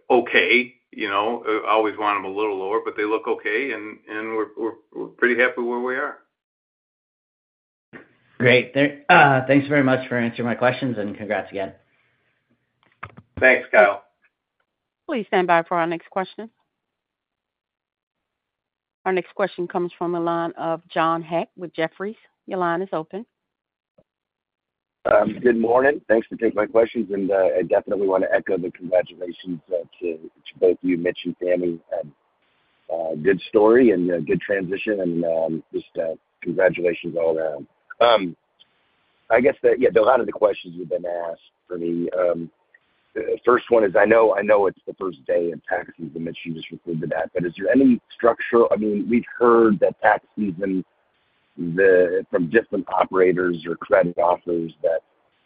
okay. I always want them a little lower, but they look okay. And we're pretty happy where we are. Great. Thanks very much for answering my questions. And congrats again. Thanks, Kyle. Please stand by for our next question. Our next question comes from the line of John Hecht with Jefferies. Your line is open. Good morning. Thanks for taking my questions. I definitely want to echo the congratulations to both you, Mitch and Fahmi, and good story and good transition. Just congratulations all around. I guess that, yeah, a lot of the questions have been asked for me. The first one is, I know it's the first day of tax season, Mitch. You just included that. But is there any structural? I mean, we've heard that tax season from different operators or credit offers that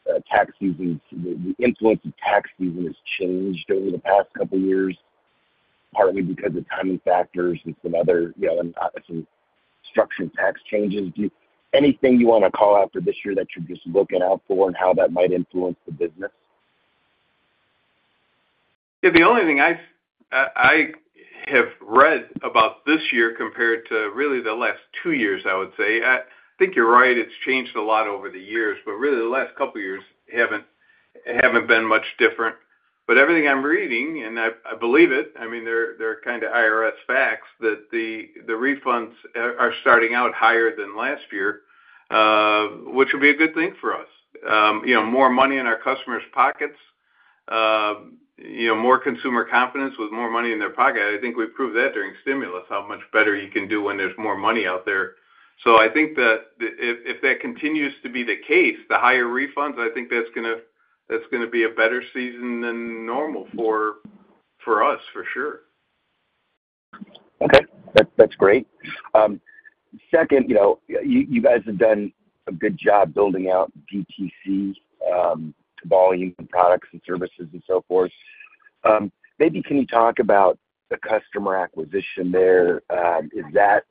the influence of tax season has changed over the past couple of years, partly because of timing factors and some other structural tax changes. Anything you want to call out for this year that you're just looking out for and how that might influence the business? Yeah. The only thing I have read about this year compared to really the last two years, I would say, I think you're right. It's changed a lot over the years. But really, the last couple of years haven't been much different. But everything I'm reading, and I believe it, I mean, they're kind of IRS facts that the refunds are starting out higher than last year, which would be a good thing for us. More money in our customers' pockets, more consumer confidence with more money in their pocket. I think we proved that during stimulus, how much better you can do when there's more money out there. So I think that if that continues to be the case, the higher refunds, I think that's going to be a better season than normal for us, for sure. Okay. That's great. Second, you guys have done a good job building out DTC volume products and services and so forth. Maybe can you talk about the customer acquisition there? Is that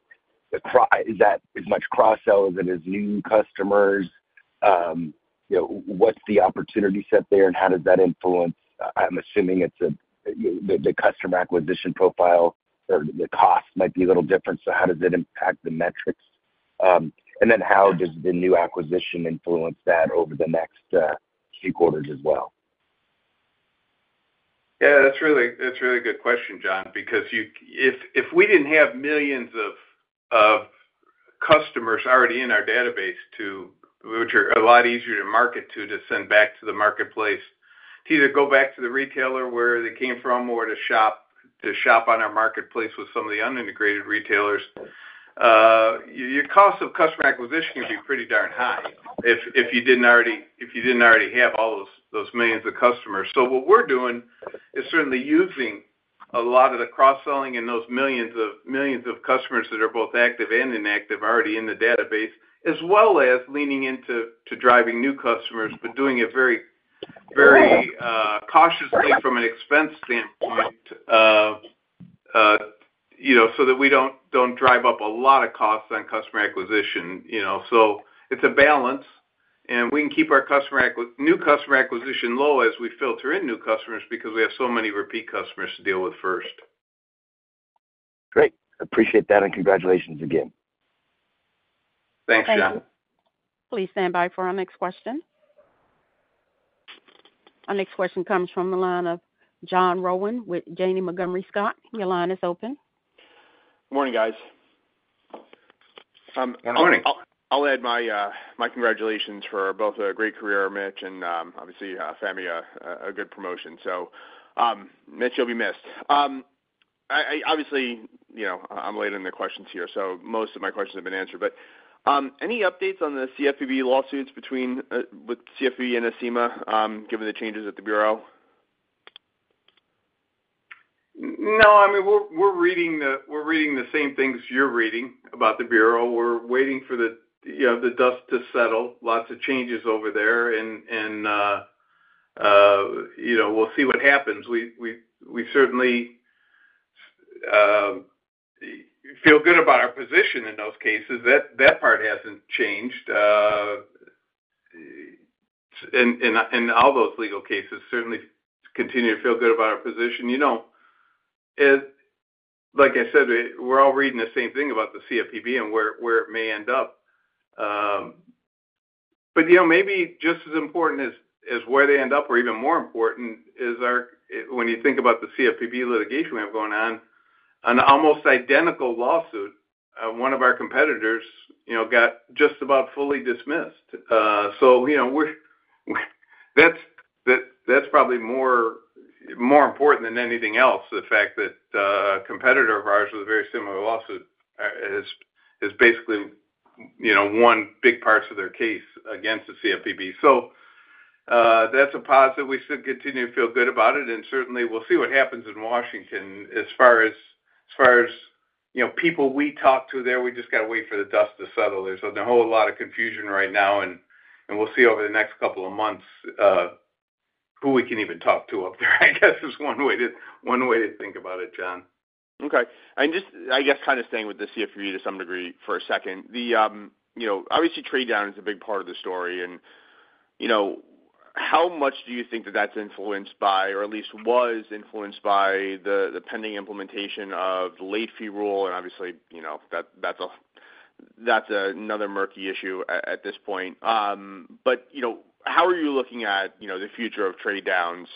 as much cross-sell as it is new customers? What's the opportunity set there? And how does that influence? I'm assuming the customer acquisition profile or the cost might be a little different. So how does it impact the metrics? And then how does the new acquisition influence that over the next few quarters as well? Yeah. That's a really good question, John, because if we didn't have millions of customers already in our database, which are a lot easier to market to, to send back to the marketplace, to either go back to the retailer where they came from or to shop on our marketplace with some of the unintegrated retailers, your cost of customer acquisition would be pretty darn high if you didn't already have all those millions of customers. So what we're doing is certainly using a lot of the cross-selling and those millions of customers that are both active and inactive already in the database, as well as leaning into driving new customers, but doing it very cautiously from an expense standpoint so that we don't drive up a lot of costs on customer acquisition. So it's a balance. And we can keep our new customer acquisition low as we filter in new customers because we have so many repeat customers to deal with first. Great. Appreciate that. And congratulations again. Thanks, John. Thank you. Please stand by for our next question. Our next question comes from the line of John Rowan with Janney Montgomery Scott. Your line is open. Good morning, guys. Good morning. I'll add my congratulations for both a great career, Mitch, and obviously, a good promotion. So Mitch, you'll be missed. Obviously, I'm late in the questions here, so most of my questions have been answered. But any updates on the CFPB lawsuits with CFPB and Acima given the changes at the Bureau? No. I mean, we're reading the same things you're reading about the Bureau. We're waiting for the dust to settle. Lots of changes over there. And we'll see what happens. We certainly feel good about our position in those cases. That part hasn't changed. And all those legal cases certainly continue to feel good about our position. Like I said, we're all reading the same thing about the CFPB and where it may end up. But maybe just as important as where they end up, or even more important, is when you think about the CFPB litigation we have going on, an almost identical lawsuit of one of our competitors got just about fully dismissed. So that's probably more important than anything else, the fact that a competitor of ours with a very similar lawsuit has basically won big parts of their case against the CFPB. So that's a positive. We should continue to feel good about it. And certainly, we'll see what happens in Washington as far as people we talk to there. We just got to wait for the dust to settle. There's a whole lot of confusion right now. And we'll see over the next couple of months who we can even talk to up there, I guess, is one way to think about it, John. Okay. And just, I guess, kind of staying with the CFPB to some degree for a second, obviously, trade-down is a big part of the story. And how much do you think that that's influenced by, or at least was influenced by, the pending implementation of the late fee rule? And obviously, that's another murky issue at this point. But how are you looking at the future of trade-downs,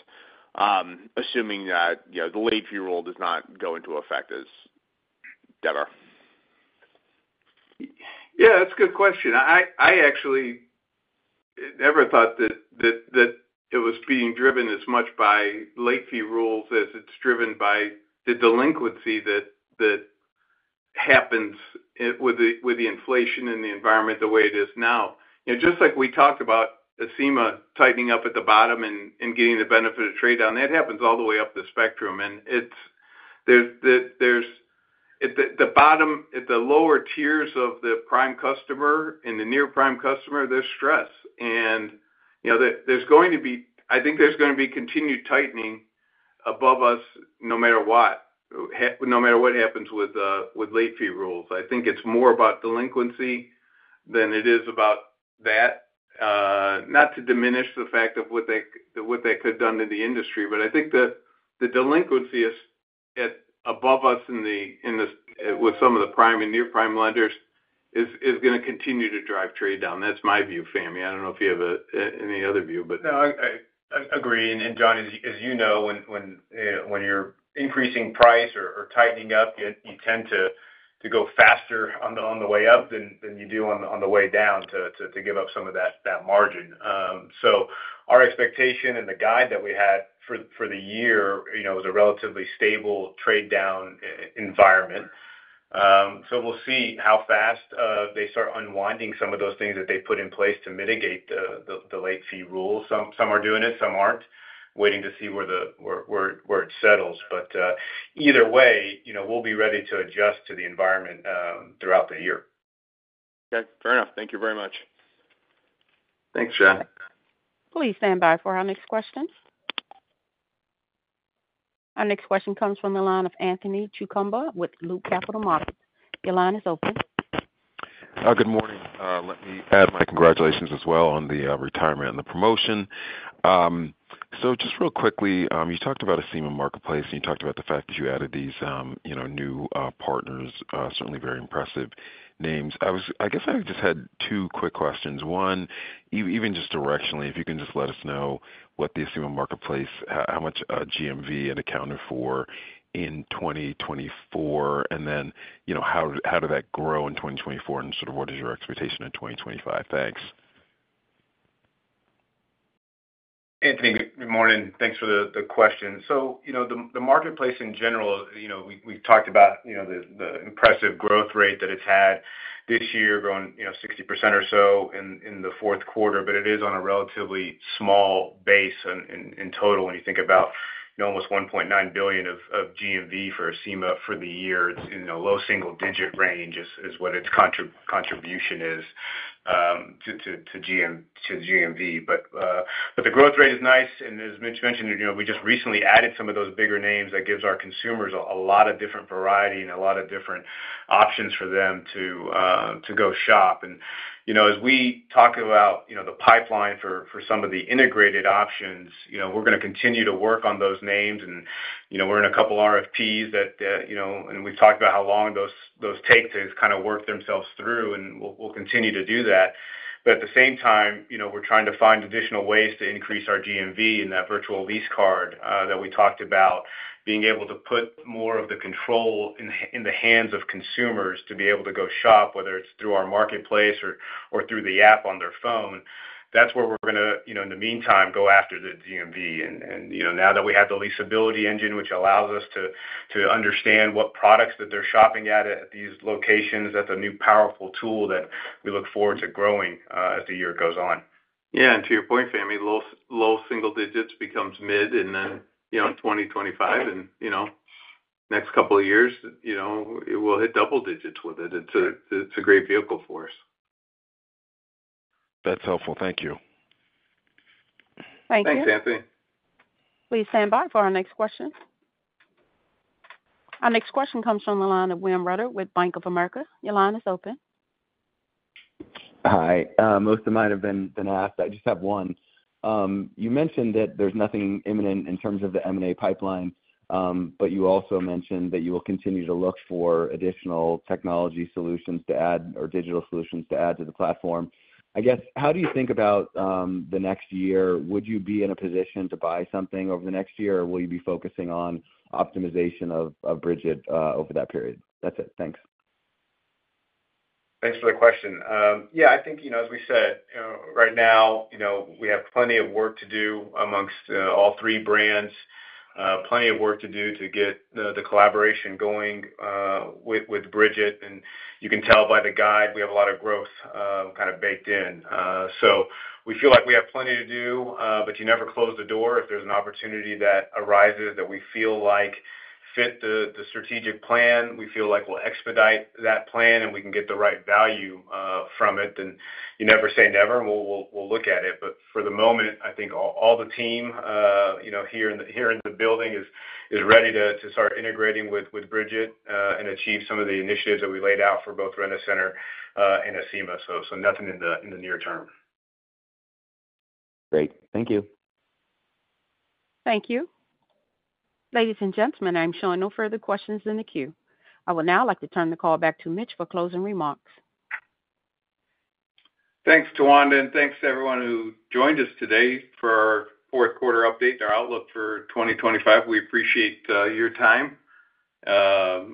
assuming that the late fee rule does not go into effect as dead or? Yeah. That's a good question. I actually never thought that it was being driven as much by late fee rules as it's driven by the delinquency that happens with the inflation and the environment the way it is now. Just like we talked about Acima tightening up at the bottom and getting the benefit of trade-down, that happens all the way up the spectrum. And at the lower tiers of the prime customer and the near prime customer, there's stress. There's going to be, I think there's going to be continued tightening above us no matter what, no matter what happens with late fee rules. I think it's more about delinquency than it is about that, not to diminish the fact of what that could have done to the industry. But I think the delinquency above us with some of the prime and near prime lenders is going to continue to drive trade-down. That's my view, Fahmi. I don't know if you have any other view, but. No, I agree, and John, as you know, when you're increasing price or tightening up, you tend to go faster on the way up than you do on the way down to give up some of that margin, so our expectation and the guide that we had for the year was a relatively stable trade-down environment. So we'll see how fast they start unwinding some of those things that they put in place to mitigate the late fee rules. Some are doing it. Some aren't. Waiting to see where it settles. But either way, we'll be ready to adjust to the environment throughout the year. Okay. Fair enough. Thank you very much. Thanks, John. Please stand by for our next question. Our next question comes from the line of Anthony Chukumba with Loop Capital Markets. Your line is open. Good morning. Let me add my congratulations as well on the retirement and the promotion. So just real quickly, you talked about Acima Marketplace, and you talked about the fact that you added these new partners, certainly very impressive names. I guess I just had two quick questions. One, even just directionally, if you can just let us know what the Acima Marketplace, how much GMV it accounted for in 2024, and then how did that grow in 2024, and sort of what is your expectation in 2025? Thanks. Anthony, good morning. Thanks for the question. So the marketplace in general, we've talked about the impressive growth rate that it's had this year, growing 60% or so in the fourth quarter. But it is on a relatively small base in total when you think about almost $1.9 billion of GMV for Acima for the year. It's in a low single-digit range is what its contribution is to GMV. But the growth rate is nice. And as Mitch mentioned, we just recently added some of those bigger names. That gives our consumers a lot of different variety and a lot of different options for them to go shop. As we talk about the pipeline for some of the integrated options, we're going to continue to work on those names. We're in a couple of RFPs, and we've talked about how long those take to kind of work themselves through. We'll continue to do that. At the same time, we're trying to find additional ways to increase our GMV in that virtual lease card that we talked about, being able to put more of the control in the hands of consumers to be able to go shop, whether it's through our marketplace or through the app on their phone. That's where we're going to, in the meantime, go after the GMV. And now that we have the Leasability Engine, which allows us to understand what products that they're shopping at these locations, that's a new powerful tool that we look forward to growing as the year goes on. Yeah. And to your point, Fahmi, low single digits becomes mid. And then in 2025 and next couple of years, we'll hit double digits with it. It's a great vehicle for us. That's helpful. Thank you. Thank you. Thanks, Anthony. Please stand by for our next question. Our next question comes from the line of William Rutter with Bank of America. Your line is open. Hi. Most of mine have been asked. I just have one. You mentioned that there's nothing imminent in terms of the M&A pipeline, but you also mentioned that you will continue to look for additional technology solutions to add or digital solutions to add to the platform. I guess, how do you think about the next year? Would you be in a position to buy something over the next year, or will you be focusing on optimization of Brigit over that period? That's it. Thanks. Thanks for the question. Yeah. I think, as we said, right now, we have plenty of work to do amongst all three brands, plenty of work to do to get the collaboration going with Brigit. And you can tell by the guide, we have a lot of growth kind of baked in. So we feel like we have plenty to do, but you never close the door. If there's an opportunity that arises that we feel like fits the strategic plan, we feel like we'll expedite that plan, and we can get the right value from it. And you never say never. We'll look at it. But for the moment, I think all the team here in the building is ready to start integrating with Brigit and achieve some of the initiatives that we laid out for both Rent-A-Center and Acima. So nothing in the near term. Great. Thank you. Thank you. Ladies and gentlemen, I'm showing no further questions in the queue. I would now like to turn the call back to Mitch for closing remarks. Thanks, Tawanda. And thanks to everyone who joined us today for our fourth quarter update and our outlook for 2025. We appreciate your time.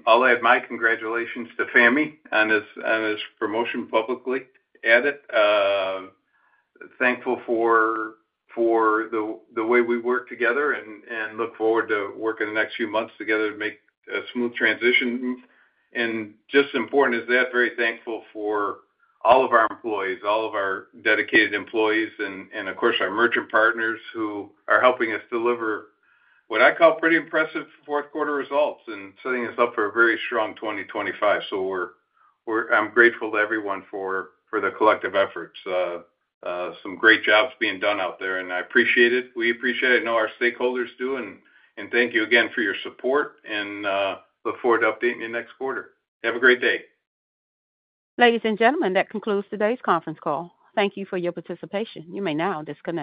I'll add my congratulations to Fahmi on his promotion publicly added. Thankful for the way we work together and look forward to working the next few months together to make a smooth transition. And just as important as that, very thankful for all of our employees, all of our dedicated employees, and of course, our merchant partners who are helping us deliver what I call pretty impressive fourth quarter results and setting us up for a very strong 2025. So I'm grateful to everyone for the collective efforts. Some great jobs being done out there. And I appreciate it. We appreciate it. I know our stakeholders do. And thank you again for your support. And look forward to updating you next quarter. Have a great day. Ladies and gentlemen, that concludes today's conference call. Thank you for your participation. You may now disconnect.